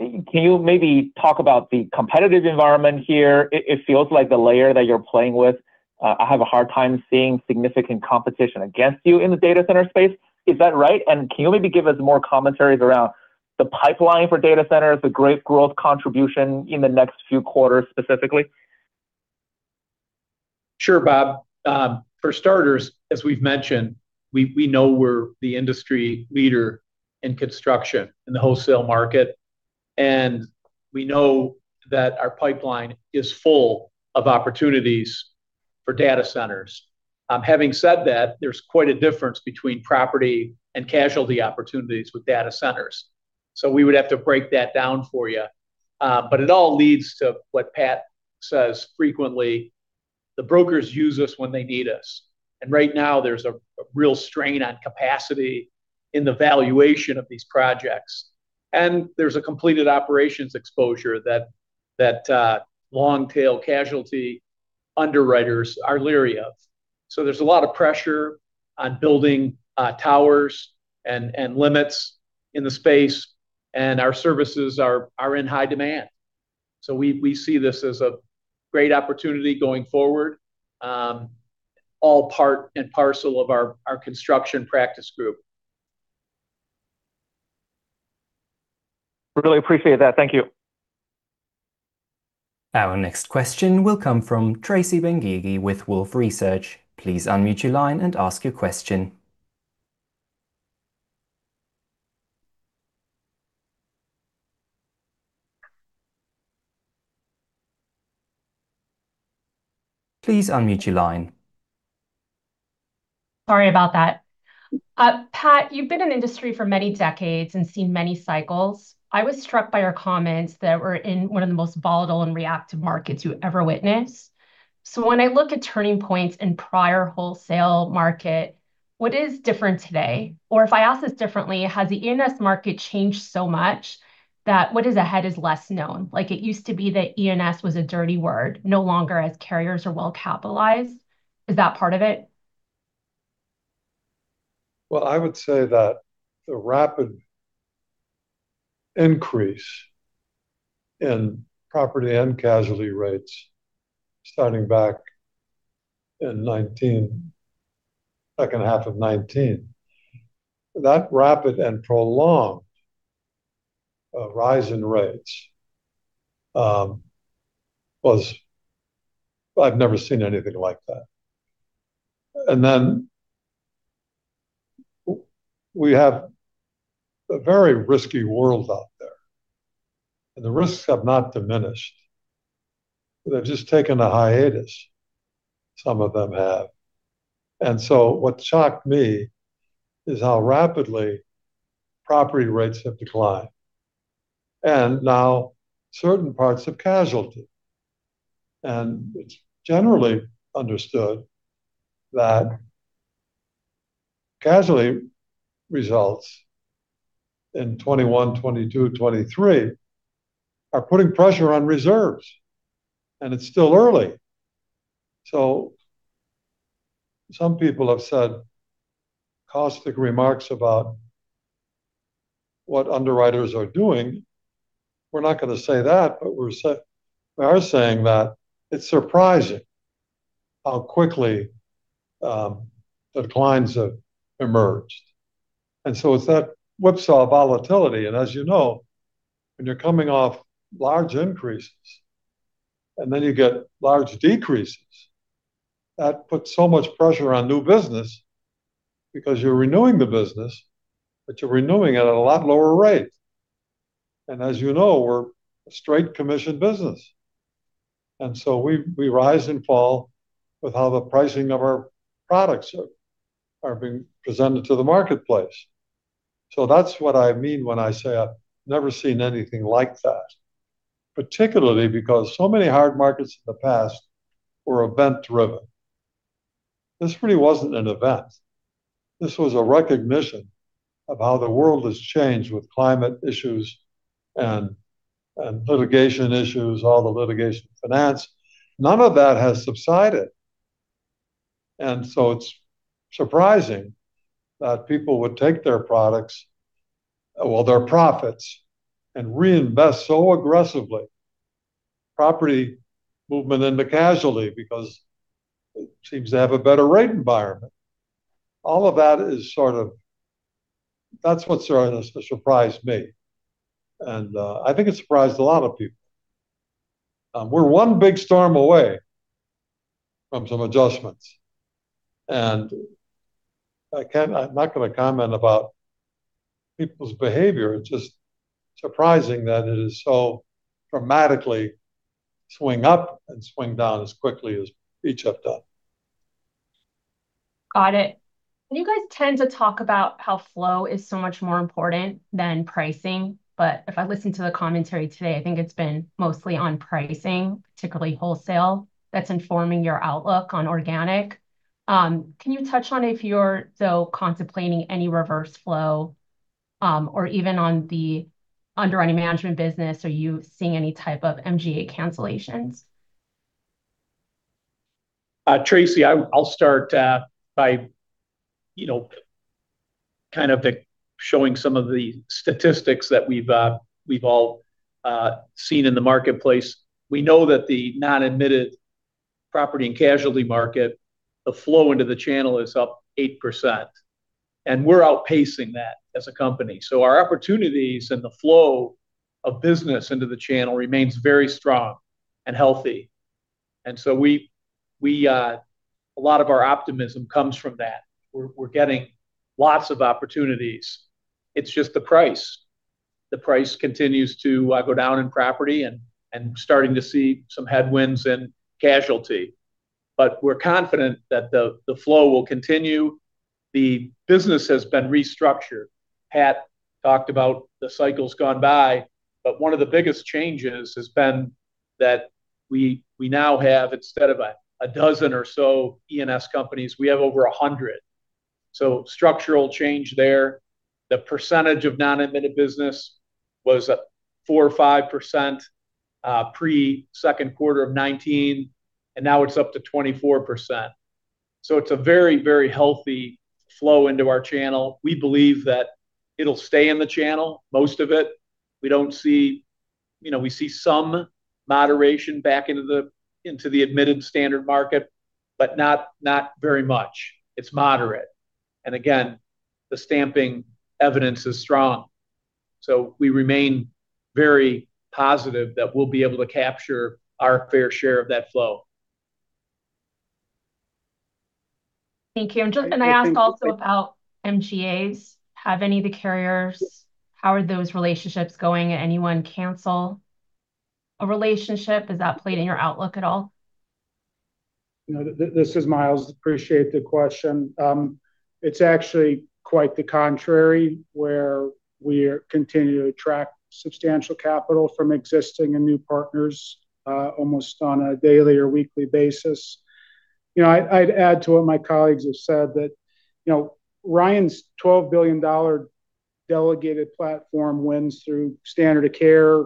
can you maybe talk about the competitive environment here? It feels like the layer that you're playing with, I have a hard time seeing significant competition against you in the data center space. Is that right? Can you maybe give us more commentaries around the pipeline for data centers, the great growth contribution in the next few quarters specifically? Sure, Bob. For starters, as we've mentioned, we know we're the industry leader in construction in the wholesale market, and we know that our pipeline is full of opportunities for data centers. Having said that, there's quite a difference between property and casualty opportunities with data centers, we would have to break that down for you. It all leads to what Patrick says frequently, the brokers use us when they need us, and right now there's a real strain on capacity in the valuation of these projects. There's a completed operations exposure that long tail casualty underwriters are leery of. There's a lot of pressure on building towers and limits in the space, and our services are in high demand. We see this as a great opportunity going forward, all part and parcel of our construction practice group. Really appreciate that. Thank you. Our next question will come from Tracy Benguigui with Wolfe Research. Please unmute your line and ask your question. Please unmute your line. Sorry about that. Patrick, you've been in industry for many decades and seen many cycles. I was struck by your comments that we're in one of the most volatile and reactive markets you ever witnessed. When I look at turning points in prior wholesale market, what is different today? If I ask this differently, has the E&S market changed so much that what is ahead is less known? Like, it used to be that E&S was a dirty word, no longer, as carriers are well-capitalized. Is that part of it? Well, I would say that the rapid increase in property and casualty rates starting back in 19, second half of 19, that rapid and prolonged rise in rates was. I've never seen anything like that. We have a very risky world out there, and the risks have not diminished. They've just taken a hiatus, some of them have. What shocked me is how rapidly property rates have declined, and now certain parts of casualty. It's generally understood that casualty results in 2021, 2022, 2023 are putting pressure on reserves, and it's still early. Some people have said caustic remarks about what underwriters are doing. We're not gonna say that, but we are saying that it's surprising how quickly declines have emerged. It's that whipsaw volatility, and as you know, when you're coming off large increases and then you get large decreases, that puts so much pressure on new business because you're renewing the business, but you're renewing it at a lot lower rate. As you know, we're a straight commissioned business, we rise and fall with how the pricing of our products are being presented to the marketplace. That's what I mean when I say I've never seen anything like that, particularly because so many hard markets in the past were event-driven. This really wasn't an event. This was a recognition of how the world has changed with climate issues and litigation issues, all the litigation finance. None of that has subsided, it's surprising that people would take their products, well, their profits, and reinvest so aggressively. Property movement into casualty because it seems to have a better rate environment. All of that is sort of. That's what sort of surprised me, and I think it surprised a lot of people. We're one big storm away from some adjustments, and I'm not gonna comment about people's behavior. It's just surprising that it is so dramatically swing up and swing down as quickly as it has done. Got it. You guys tend to talk about how flow is so much more important than pricing. If I listen to the commentary today, I think it's been mostly on pricing, particularly wholesale, that's informing your outlook on organic. Can you touch on if you're still contemplating any reverse flow, or even on the underwriting management business, are you seeing any type of MGA cancellations? Tracy, I'll start by, you know, showing some of the statistics that we've all seen in the marketplace. We know that the non-admitted Property and Casualty market, the flow into the channel is up 8%, and we're outpacing that as a company. Our opportunities and the flow of business into the channel remains very strong and healthy. We. A lot of our optimism comes from that. We're getting lots of opportunities. It's just the price. The price continues to go down in property and starting to see some headwinds in casualty. We're confident that the flow will continue. The business has been restructured. Patrick talked about the cycles gone by, one of the biggest changes has been that we now have, instead of 12 or so E&S companies, we have over 100. The percentage of non-admitted business was 4% or 5% pre-second quarter of 2019, now it's up to 24%. It's a very, very healthy flow into our channel. We believe that it'll stay in the channel, most of it. We don't see. You know, we see some moderation back into the, into the admitted standard market, not very much. It's moderate. Again, the stamping evidence is strong. We remain very positive that we'll be able to capture our fair share of that flow. Thank you. I asked also about MGAs. How are those relationships going? Anyone cancel a relationship? Is that played in your outlook at all? You know, this is Miles. Appreciate the question. It's actually quite the contrary, where we continue to attract substantial capital from existing and new partners, almost on a daily or weekly basis. You know, I'd add to what my colleagues have said that, you know, Ryan Specialty's $12 billion delegated platform wins through standard of care,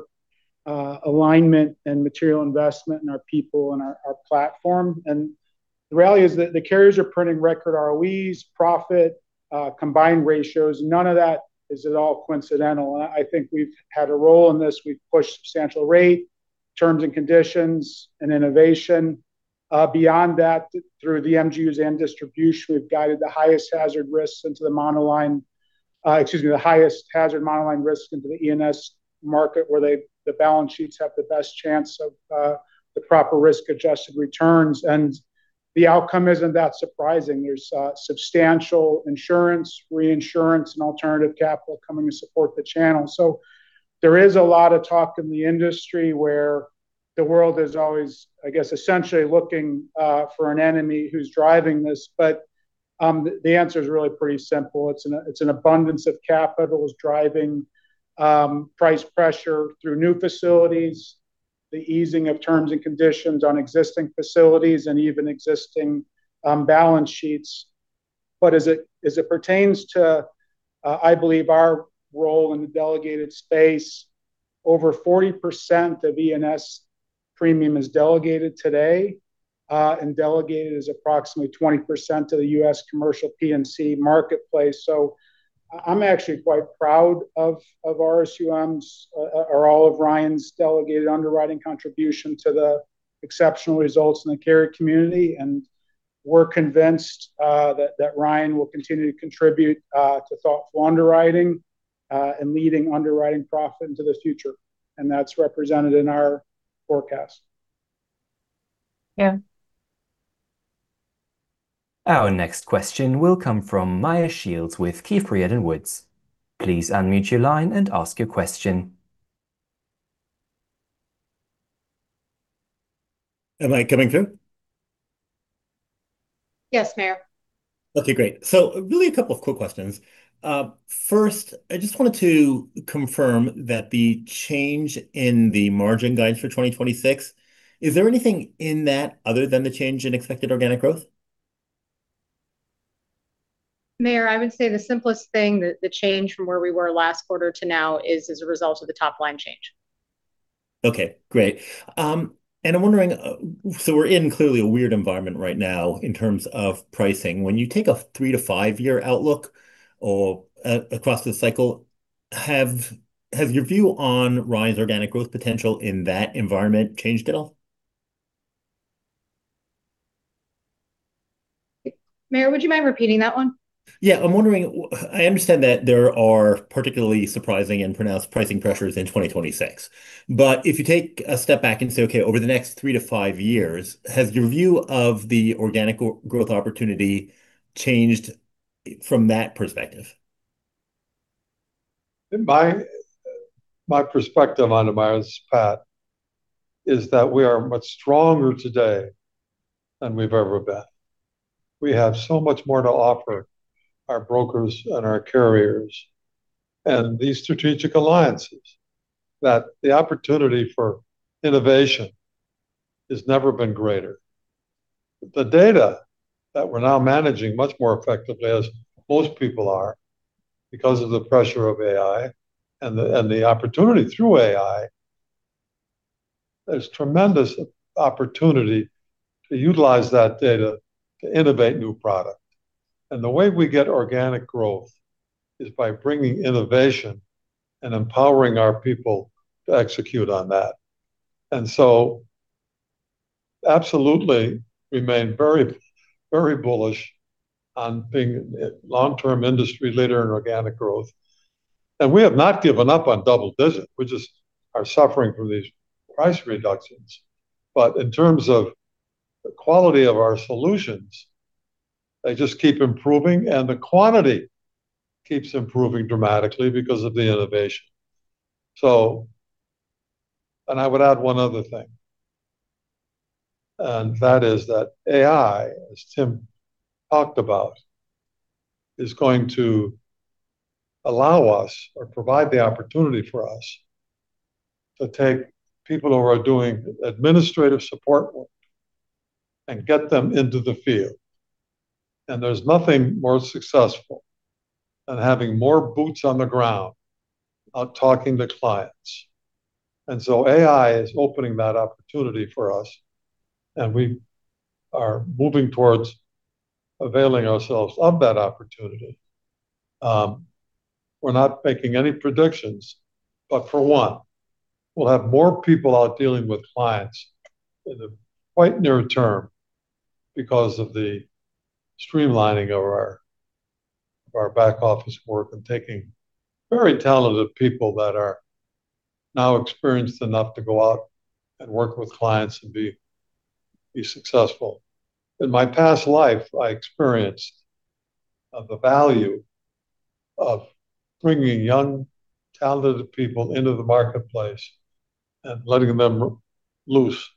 alignment and material investment in our people and our platform. The reality is that the carriers are printing record ROEs, profit, combined ratios. None of that is at all coincidental, and I think we've had a role in this. We've pushed substantial rate, terms and conditions, and innovation. Beyond that, through the MGUs and distribution, we've guided the highest hazard risks into the monoline. Excuse me, the highest hazard monoline risk into the E&S market where the balance sheets have the best chance of the proper risk-adjusted returns. The outcome isn't that surprising. There's substantial insurance, reinsurance, and alternative capital coming to support the channel. There is a lot of talk in the industry where the world is always, I guess, essentially looking for an enemy who's driving this. The answer is really pretty simple. It's an abundance of capital that's driving price pressure through new facilities, the easing of terms and conditions on existing facilities and even existing balance sheets. As it pertains to, I believe our role in the delegated space, over 40% of E&S premium is delegated today. Delegated is approximately 20% of the U.S. commercial P&C marketplace. I'm actually quite proud of our RSUM's, or all of Ryan's delegated underwriting contribution to the exceptional results in the carrier community. We're convinced that Ryan will continue to contribute to thoughtful underwriting and leading underwriting profit into the future, and that's represented in our forecast. Yeah. Our next question will come from Meyer Shields with Keefe, Bruyette & Woods. Please unmute your line and ask your question. Am I coming through? Yes, Meyer. Okay, great. Really a couple of quick questions. First, I just wanted to confirm that the change in the margin guidance for 2026, is there anything in that other than the change in expected organic growth? Meyer, I would say the simplest thing that the change from where we were last quarter to now is as a result of the top line change. Okay, great. I'm wondering, we're in clearly a weird environment right now in terms of pricing. When you take a three to five-year outlook or across the cycle, has your view on Ryan's organic growth potential in that environment changed at all? Meyer, would you mind repeating that one? Yeah. I'm wondering, I understand that there are particularly surprising and pronounced pricing pressures in 2026. If you take a step back and say, okay over the next three to five years, has your view of the organic growth opportunity changed from that perspective? My perspective on to Meyer's path is that we are much stronger today than we've ever been. We have so much more to offer our brokers and our carriers and these strategic alliances, that the opportunity for innovation has never been greater. The data that we're now managing much more effectively, as most people are because of the pressure of AI and the opportunity through AI, there's tremendous opportunity to utilize that data to innovate new product. The way we get organic growth is by bringing innovation and empowering our people to execute on that. Absolutely remain very bullish on being a long-term industry leader in organic growth. We have not given up on double digit. We just are suffering from these price reductions. In terms of the quality of our solutions, they just keep improving, and the quantity keeps improving dramatically because of the innovation. I would add one other thing, and that is that AI, as Tim talked about, is going to allow us or provide the opportunity for us to take people who are doing administrative support work and get them into the field. There's nothing more successful than having more boots on the ground out talking to clients. AI is opening that opportunity for us, and we are moving towards availing ourselves of that opportunity. We're not making any predictions. For one, we'll have more people out dealing with clients in the quite near term because of the streamlining of our back-office work and taking very talented people that are now experienced enough to go out and work with clients and be successful. In my past life, I experienced the value of bringing young, talented people into the marketplace and letting them loose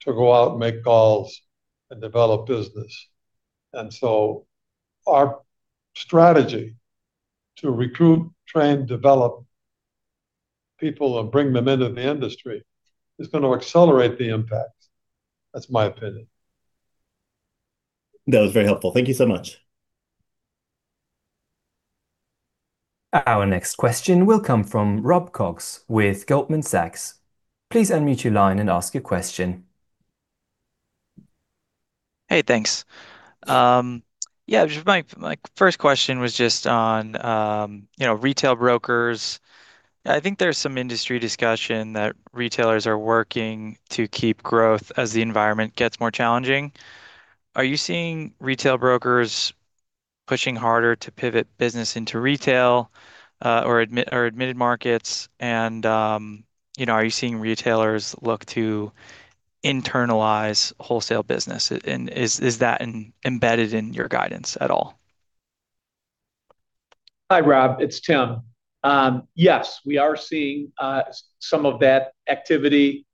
to go out and make calls and develop business. So our strategy to recruit, train, develop people and bring them into the industry is gonna accelerate the impact. That's my opinion. That was very helpful. Thank you so much. Our next question will come from Robert Cox with Goldman Sachs. Please unmute your line and ask your question. Hey, thanks. Yeah, my first question was just on, you know, retail brokers. I think there's some industry discussion that retailers are working to keep growth as the environment gets more challenging. Are you seeing retail brokers pushing harder to pivot business into retail or admitted markets? Are you seeing retailers look to internalize wholesale business? Is that embedded in your guidance at all? Hi, Rob. It's Tim. Yes, we are seeing some of that activity,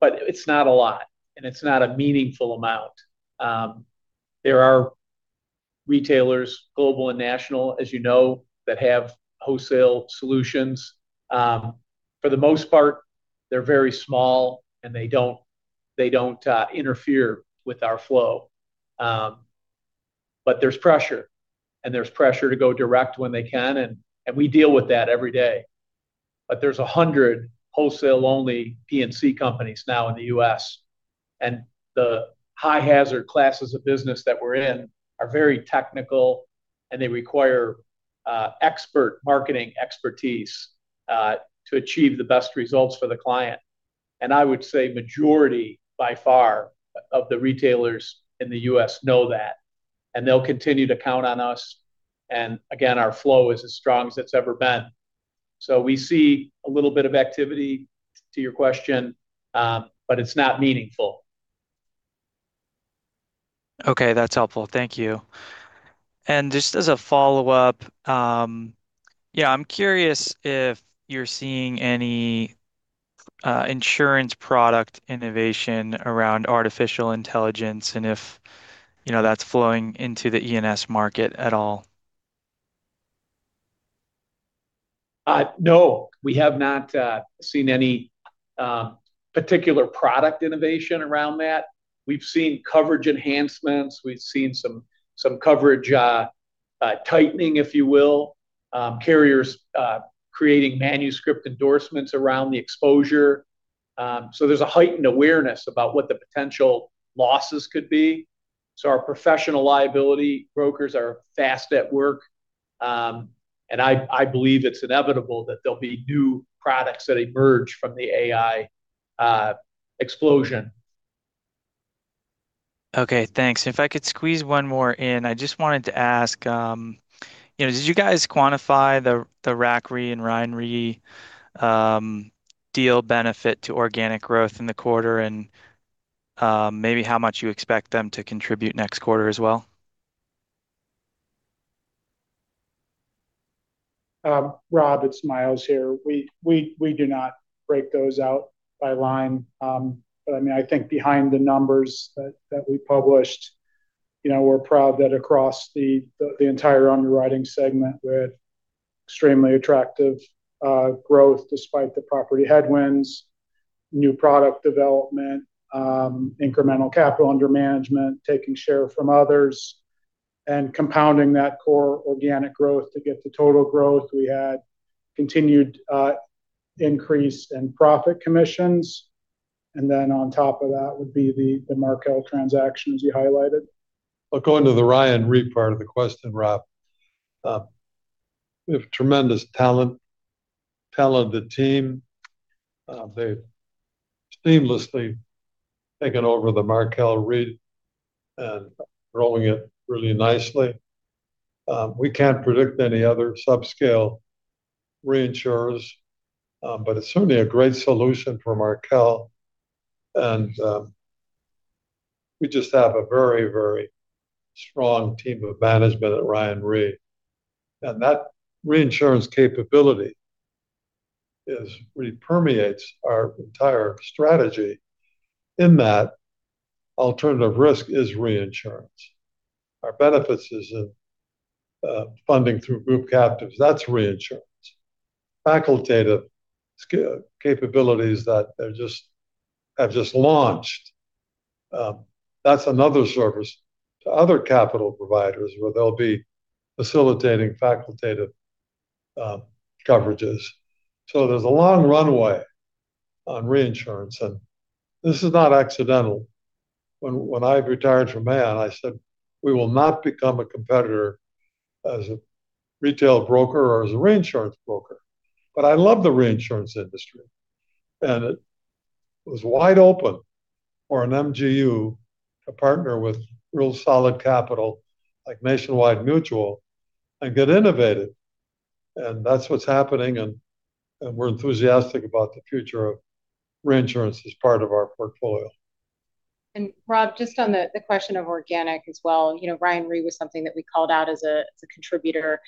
but it's not a lot and it's not a meaningful amount. There are retailers, global and national, as you know, that have wholesale solutions. For the most part, they're very small and they don't interfere with our flow. There's pressure, there's pressure to go direct when they can, we deal with that every day. There's 100 wholesale-only P&C companies now in the U.S., the high-hazard classes of business that we're in are very technical, they require expert marketing expertise to achieve the best results for the client. I would say majority, by far, of the retailers in the U.S. know that, they'll continue to count on us. Again, our flow is as strong as it's ever been. We see a little bit of activity, to your question, but it's not meaningful. Okay, that's helpful. Thank you. Just as a follow-up, I'm curious if you're seeing any insurance product innovation around artificial intelligence and if, you know, that's flowing into the E&S market at all. No. We have not seen any particular product innovation around that. We've seen coverage enhancements. We've seen some coverage tightening, if you will. Carriers creating manuscript endorsements around the exposure. So, there's a heightened awareness about what the potential losses could be. Our professional liability brokers are fast at work. I believe it's inevitable that there'll be new products that emerge from the AI explosion. Okay, thanks. If I could squeeze one more in, I just wanted to ask, you know, did you guys quantify the RAC Re and Ryan Re deal benefit to organic growth in the quarter? Maybe how much you expect them to contribute next quarter as well? Robert, it's Miles here. We do not break those out by line. I mean, I think behind the numbers that we published, you know, we're proud that across the entire underwriting segment, we had extremely attractive growth despite the property headwinds, new product development, incremental capital under management, taking share from others, and compounding that core organic growth to get the total growth. We had continued increase in profit commissions. On top of that would be the Markel transactions you highlighted. I'll go into the Ryan Re part of the question, Robert. We have tremendous talent in the team. They've seamlessly taken over the Markel Re and growing it really nicely. We can't predict any other subscale reinsurers. It's certainly a great solution for Markel. We just have a very strong team of management at Ryan Re. That reinsurance capability really permeates our entire strategy in that alternative risk is reinsurance. Our benefits is in funding through group captives. That's reinsurance. Facultative capabilities that have just launched, that's another service to other capital providers where they'll be facilitating facultative coverages. There's a long runway on reinsurance, and this is not accidental. When I retired from Aon, I said, "We will not become a competitor as a retail broker or as a reinsurance broker." I love the reinsurance industry, and it was wide open for an MGU to partner with real solid capital, like Nationwide Mutual, and get innovative. That's what's happening, and we're enthusiastic about the future of reinsurance as part of our portfolio. Rob, just on the question of organic as well, you know, Ryan Re was something that we called out as a contributor.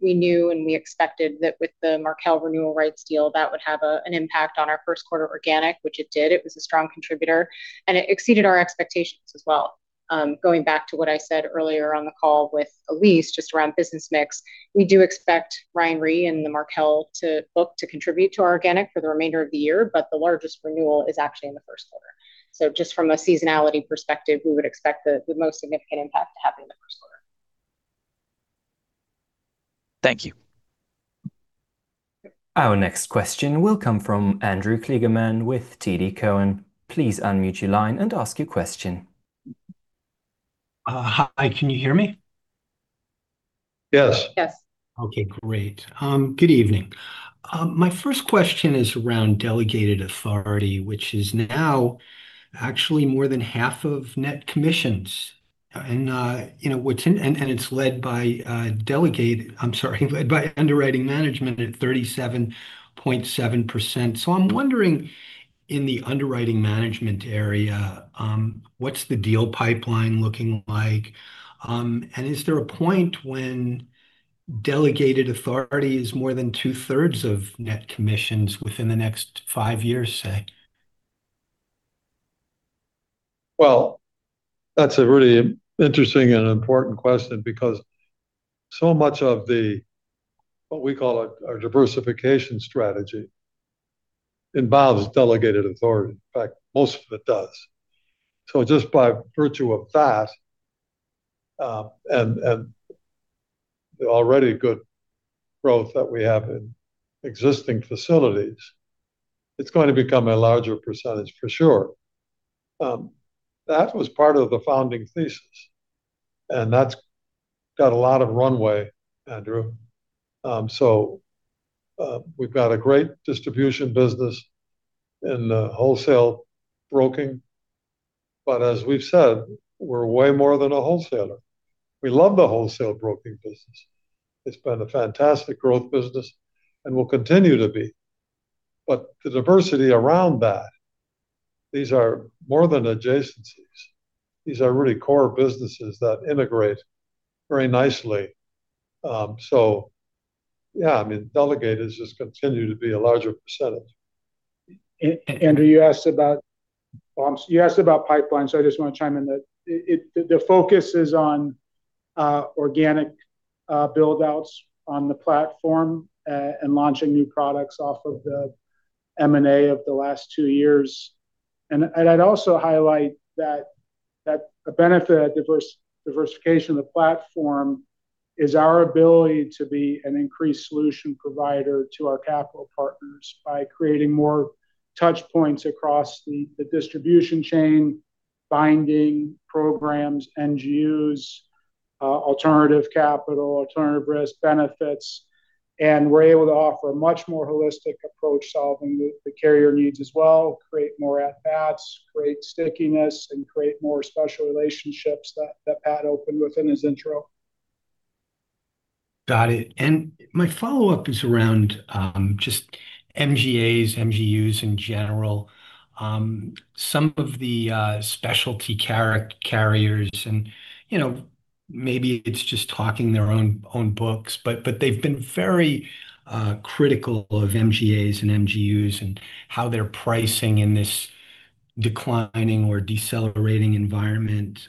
We knew and we expected that with the Markel renewal rights deal, that would have an impact on our first quarter organic, which it did. It was a strong contributor. It exceeded our expectations as well. Going back to what I said earlier on the call with Elyse just around business mix, we do expect Ryan Re and the Markel to book, to contribute to our organic for the remainder of the year, but the largest renewal is actually in the first quarter. Just from a seasonality perspective, we would expect the most significant impact to happen in the first Thank you. Our next question will come from Andrew Kligerman with TD Cowen. Please unmute your line and ask your question. Hi, can you hear me? Yes. Yes. Okay, great. Good evening. My first question is around delegated authority, which is now actually more than half of net commissions. You know, it's led by, I'm sorry, led by underwriting management at 37.7%. I'm wondering, in the underwriting management area, what's the deal pipeline looking like? Is there a point when delegated authority is more than 2/3 of net commissions within the next five years, say? Well, that's a really interesting and important question because so much of the, what we call our diversification strategy, involves delegated authority. In fact, most of it does. Just by virtue of that, and the already good growth that we have in existing facilities, it's going to become a larger percentage for sure. That was part of the founding thesis, and that's got a lot of runways, Andrew. We've got a great distribution business in the wholesale broking. As we've said, we're way more than a wholesaler. We love the wholesale broking business. It's been a fantastic growth business and will continue to be. The diversity around that, these are more than adjacencies. These are really core businesses that integrate very nicely. Yeah, I mean, delegators just continue to be a larger percentage. Andrew, you asked about pipeline, so I just wanna chime in that the focus is on organic build-outs on the platform and launching new products off of the M&A of the last two years. I'd also highlight that a benefit of diversification of the platform is our ability to be an increased solution provider to our capital partners by creating more touchpoints across the distribution chain, binding programs, MGUs, alternative capital, alternative risk, benefits. We're able to offer a much more holistic approach solving the carrier needs as well, create more at-bats, create stickiness, and create more special relationships that Patrick opened with in his intro. Got it. My follow-up is around just MGAs, MGUs in general. Some of the specialty carriers and, you know, maybe it's just talking their own books, but they've been very critical of MGAs and MGUs and how they're pricing in this declining or decelerating environment.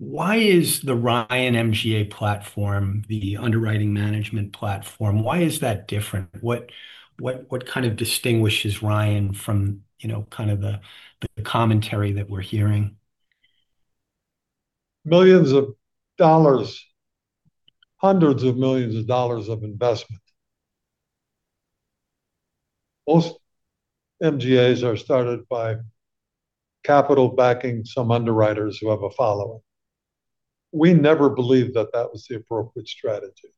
Why is the Ryan MGA platform, the underwriting management platform, why is that different? What kind of distinguishes Ryan from, you know, kind of the commentary that we're hearing? Millions of dollars, hundreds of millions of dollars of investment. Most MGAs are started by capital backing some underwriters who have a following. We never believed that that was the appropriate strategy.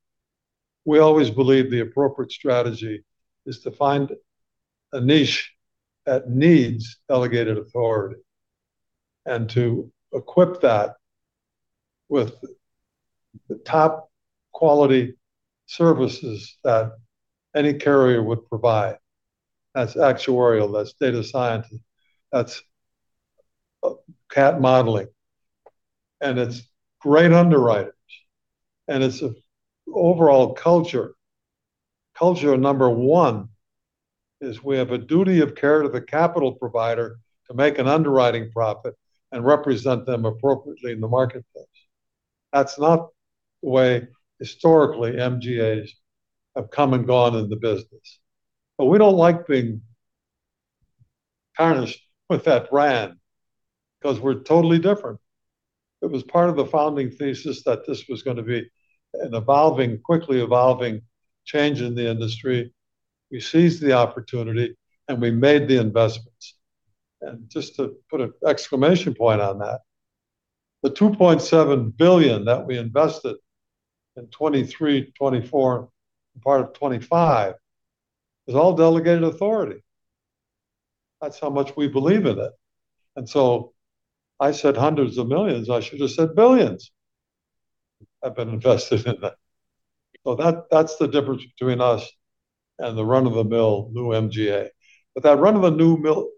We always believed the appropriate strategy is to find a niche that needs delegated authority and to equip that with the top-quality services that any carrier would provide. That's actuarial, that's data scientists, that's CAT modeling, and it's great underwriters, and it's a overall culture. Culture number one is we have a duty of care to the capital provider to make an underwriting profit and represent them appropriately in the marketplace. That's not the way, historically, MGAs have come and gone in the business. We don't like being tarnished with that brand, because we're totally different. It was part of the founding thesis that this was gonna be an evolving, quickly evolving change in the industry. We seized the opportunity; we made the investments. Just to put an exclamation point on that, the $2.7 billion that we invested in 2023, 2024, part of 2025, is all delegated authority. That's how much we believe in it. I said hundreds of millions; I should have said billions have been invested in that. That's the difference between us and the run-of-the-mill new MGA. That run-of-the-mill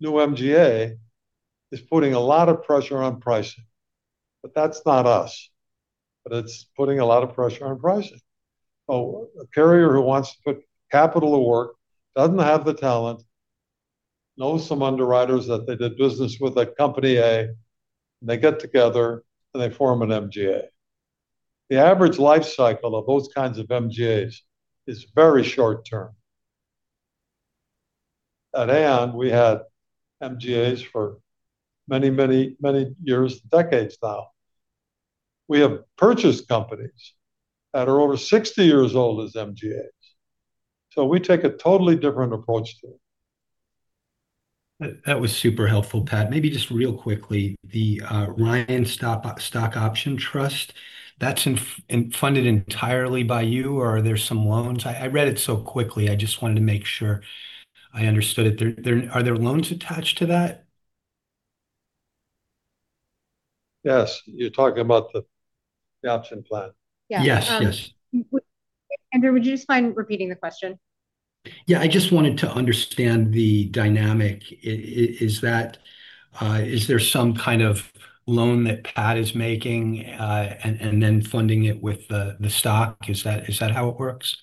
new MGA is putting a lot of pressure on pricing. That's not us. It's putting a lot of pressure on pricing. A carrier who wants to put capital to work, doesn't have the talent, knows some underwriters that they did business with a company A, they get together, they form an MGA. The average life cycle of those kinds of MGAs is very short term. At Aon, we had MGAs for many, many, many years, decades now. We have purchased companies that are over 60 years old as MGAs. We take a totally different approach to it. That was super helpful, Patrick. Maybe just real quickly, the Ryan stock option trust, that's funded entirely by you or are there some loans? I read it so quickly, I just wanted to make sure I understood it. Are there loans attached to that? Yes. You're talking about the option plan? Yes, yes. Yeah, Andrew, would you just mind repeating the question? Yeah, I just wanted to understand the dynamic. Is that, is there some kind of loan that Patrick is making, and then funding it with the stock? Is that, is that how it works?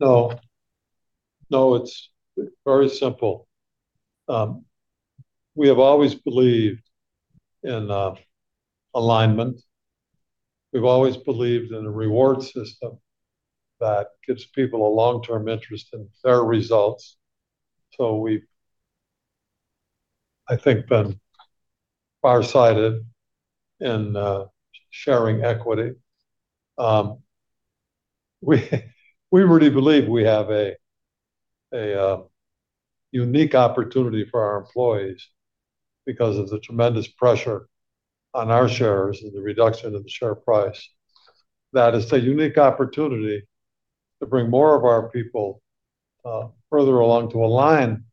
No. No, it's very simple. We have always believed in alignment. We've always believed in a reward system that gives people a long-term interest in their results. We've, I think, been farsighted in sharing equity. We really believe we have a unique opportunity for our employees because of the tremendous pressure on our shares and the reduction of the share price. That is a unique opportunity to bring more of our people further along to align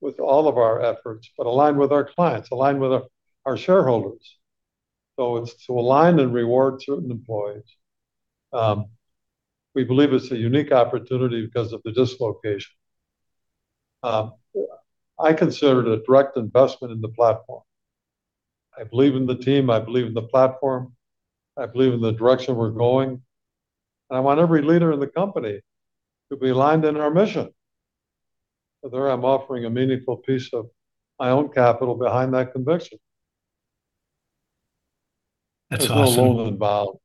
with all of our efforts, but align with our clients, align with our shareholders. It's to align and reward certain employees. We believe it's a unique opportunity because of the dislocation. I consider it a direct investment in the platform. I believe in the team, I believe in the platform, I believe in the direction we're going, and I want every leader in the company to be aligned in our mission. There I'm offering a meaningful piece of my own capital behind that conviction. That's awesome. There's no loan involved.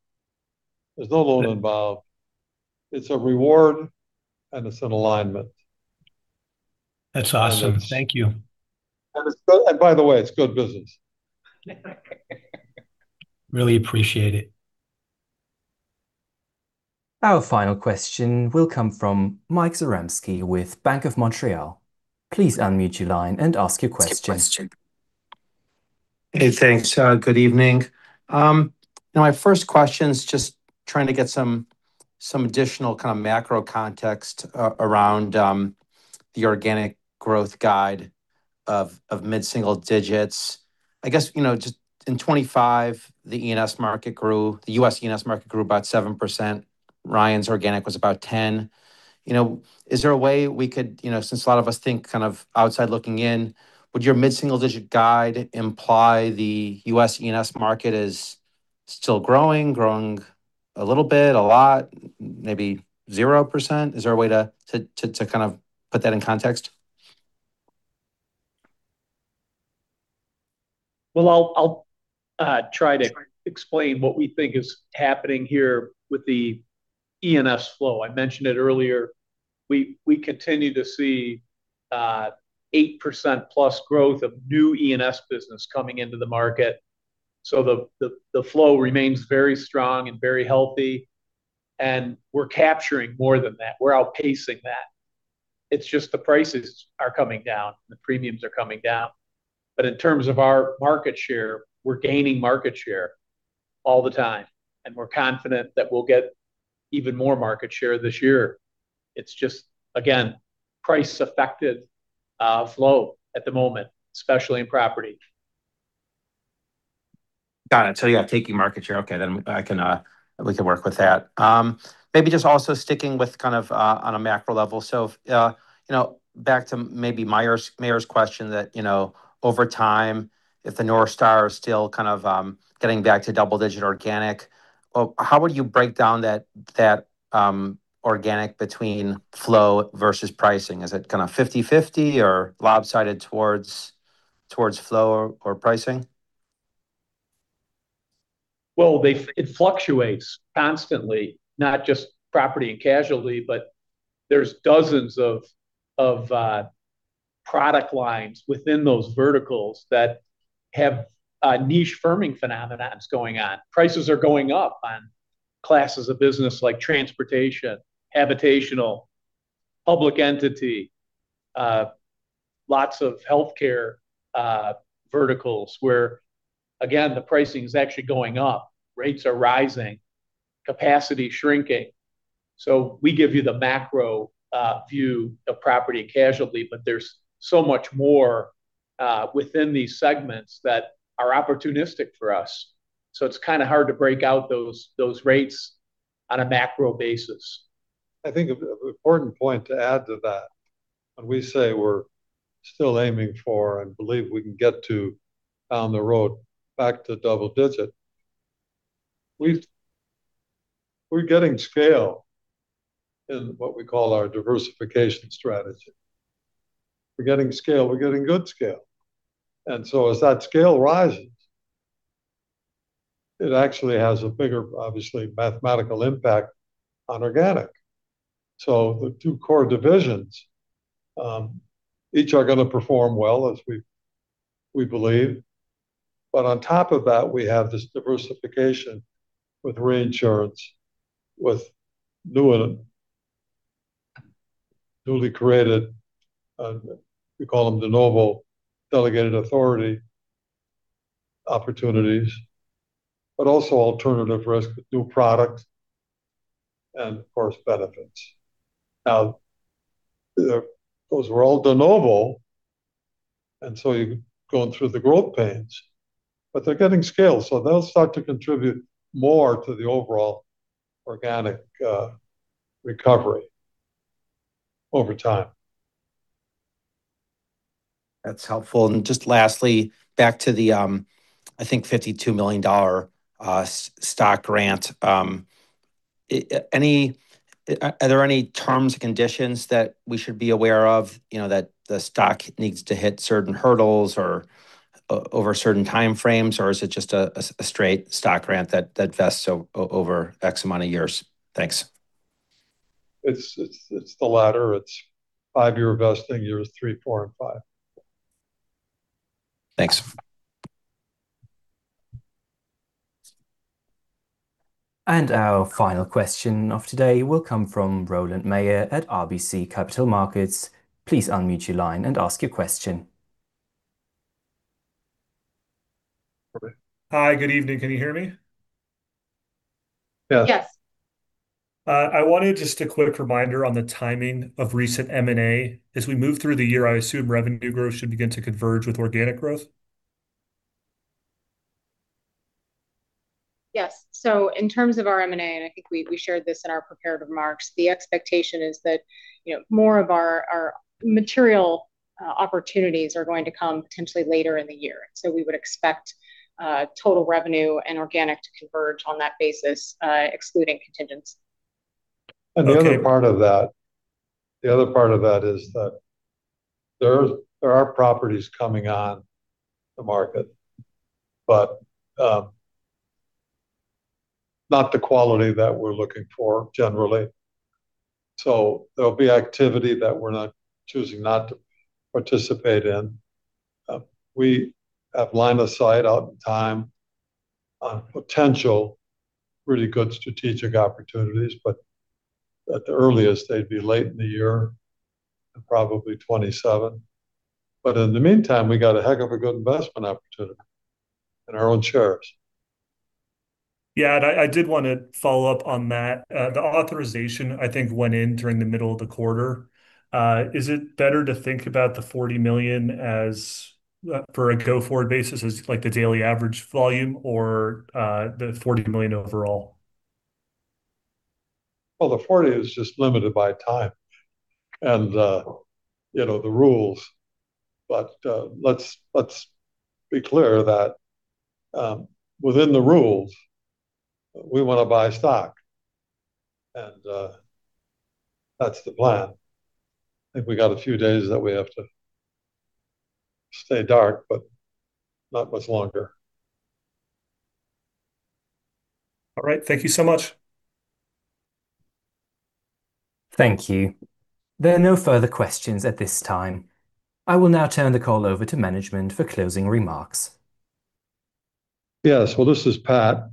There's no loan involved. It's a reward and it's an alignment. That's awesome. Thank you. By the way, it's good business. Really appreciate it. Our final question will come from Michael Zaremski with Bank of Montreal. Please unmute your line and ask your question. Hey, thanks. Good evening. Now my first question is just trying to get some additional kind of macro context around the organic growth guide of mid-single digits. I guess, you know, just in 2025 the E&S market grew, the U.S. E&S market grew about 7%. Ryan's organic was about 10. You know, is there a way we could, you know, since a lot of us think kind of outside looking in, would your mid-single digit guide imply the U.S. E&S market is still growing a little bit, a lot, maybe 0%? Is there a way to kind of put that in context? I'll try to explain what we think is happening here with the E&S flow. I mentioned it earlier. We continue to see 8%+ growth of new E&S business coming into the market. The flow remains very strong and very healthy, and we're capturing more than that. We're outpacing that. It's just the prices are coming down and the premiums are coming down. In terms of our market share, we're gaining market share all the time, and we're confident that we'll get even more market share this year. It's just, again, price affected flow at the moment, especially in property. Got it. Yeah, taking market share. Okay, I can we can work with that. Maybe just also sticking with kind of on a macro level. You know, back to maybe Meyer Shields' question that, you know, over time, if the North Star is still kind of getting back to double-digit organic, or how would you break down that organic between flow versus pricing? Is it kind of 50/50 or lopsided towards flow or pricing? Well, it fluctuates constantly, not just Property and Casualty, but there's dozens of product lines within those verticals that have niche firming phenomenon's going on. Prices are going up on classes of business-like transportation, habitational, public entity, lots of healthcare verticals, where again, the pricing is actually going up, rates are rising, capacity shrinking. We give you the macro view of Property and Casualty, but there's so much more within these segments that are opportunistic for us. It's kind of hard to break out those rates on a macro basis. I think an important point to add to that, when we say we're still aiming for and believe we can get to down the road back to double digit, we're getting scale in what we call our diversification strategy. We're getting scale, we're getting good scale. As that scale rises, it actually has a bigger, obviously, mathematical impact on organic. The two core divisions, each are gonna perform well as we believe. On top of that, we have this diversification with reinsurance, with doing newly created, we call them de novo delegated authority opportunities, but also alternative risk, new products, and of course, benefits. Now, those were all de novo, you're going through the growth pains. They're getting scale, so they'll start to contribute more to the overall organic recovery over time. That's helpful. Just lastly, back to the, I think $52 million stock grant. Any, are there any terms and conditions that we should be aware of, you know, that the stock needs to hit certain hurdles or over certain time frames, or is it just a straight stock grant that vests over X amount of years? Thanks. It's the latter. It's five-year vesting, years three, four and five. Thanks. Our final question of today will come from Roland Meier at RBC Capital Markets. Please unmute your line and ask your question. Hi, good evening. Can you hear me? Yes. Yes. I wanted just a quick reminder on the timing of recent M&A. As we move through the year, I assume revenue growth should begin to converge with organic growth? Yes. In terms of our M&A, and I think we shared this in our prepared remarks, the expectation is that, you know, more of our material opportunities are going to come potentially later in the year. We would expect total revenue and organic to converge on that basis, excluding contingency. Okay. The other part of that is that there are properties coming on the market, but not the quality that we're looking for generally. There'll be activity that we're not choosing not to participate in. We have line of sight out in time on potential really good strategic opportunities, but at the earliest, they'd be late in the year and probably 2027. In the meantime, we got a heck of a good investment opportunity in our own shares. I did wanna follow up on that. The authorization I think went in during the middle of the quarter. Is it better to think about the $40 million as for a go-forward basis as like the daily average volume or the $40 million overall? Well, the 40 is just limited by time and, you know, the rules. Let's be clear that within the rules, we wanna buy stock. That's the plan. I think we got a few days that we have to stay dark, but not much longer. All right. Thank you so much. Thank you. There are no further questions at this time. I will now turn the call over to management for closing remarks. Yes. Well, this is Patrick.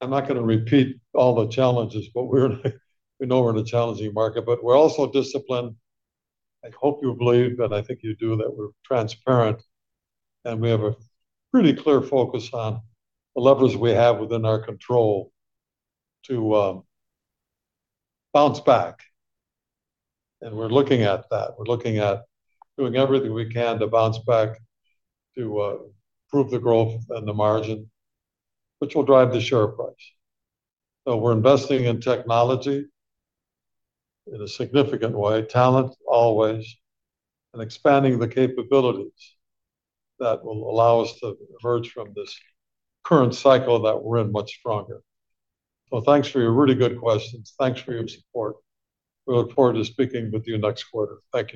I'm not gonna repeat all the challenges, but we know we're in a challenging market, but we're also disciplined. I hope you believe, and I think you do, that we're transparent, and we have a really clear focus on the levers we have within our control to bounce back. We're looking at that. We're looking at doing everything we can to bounce back to prove the growth and the margin, which will drive the share price. We're investing in technology in a significant way, talent always, and expanding the capabilities that will allow us to emerge from this current cycle that we're in much stronger. Thanks for your really good questions. Thanks for your support. We look forward to speaking with you next quarter. Thank you.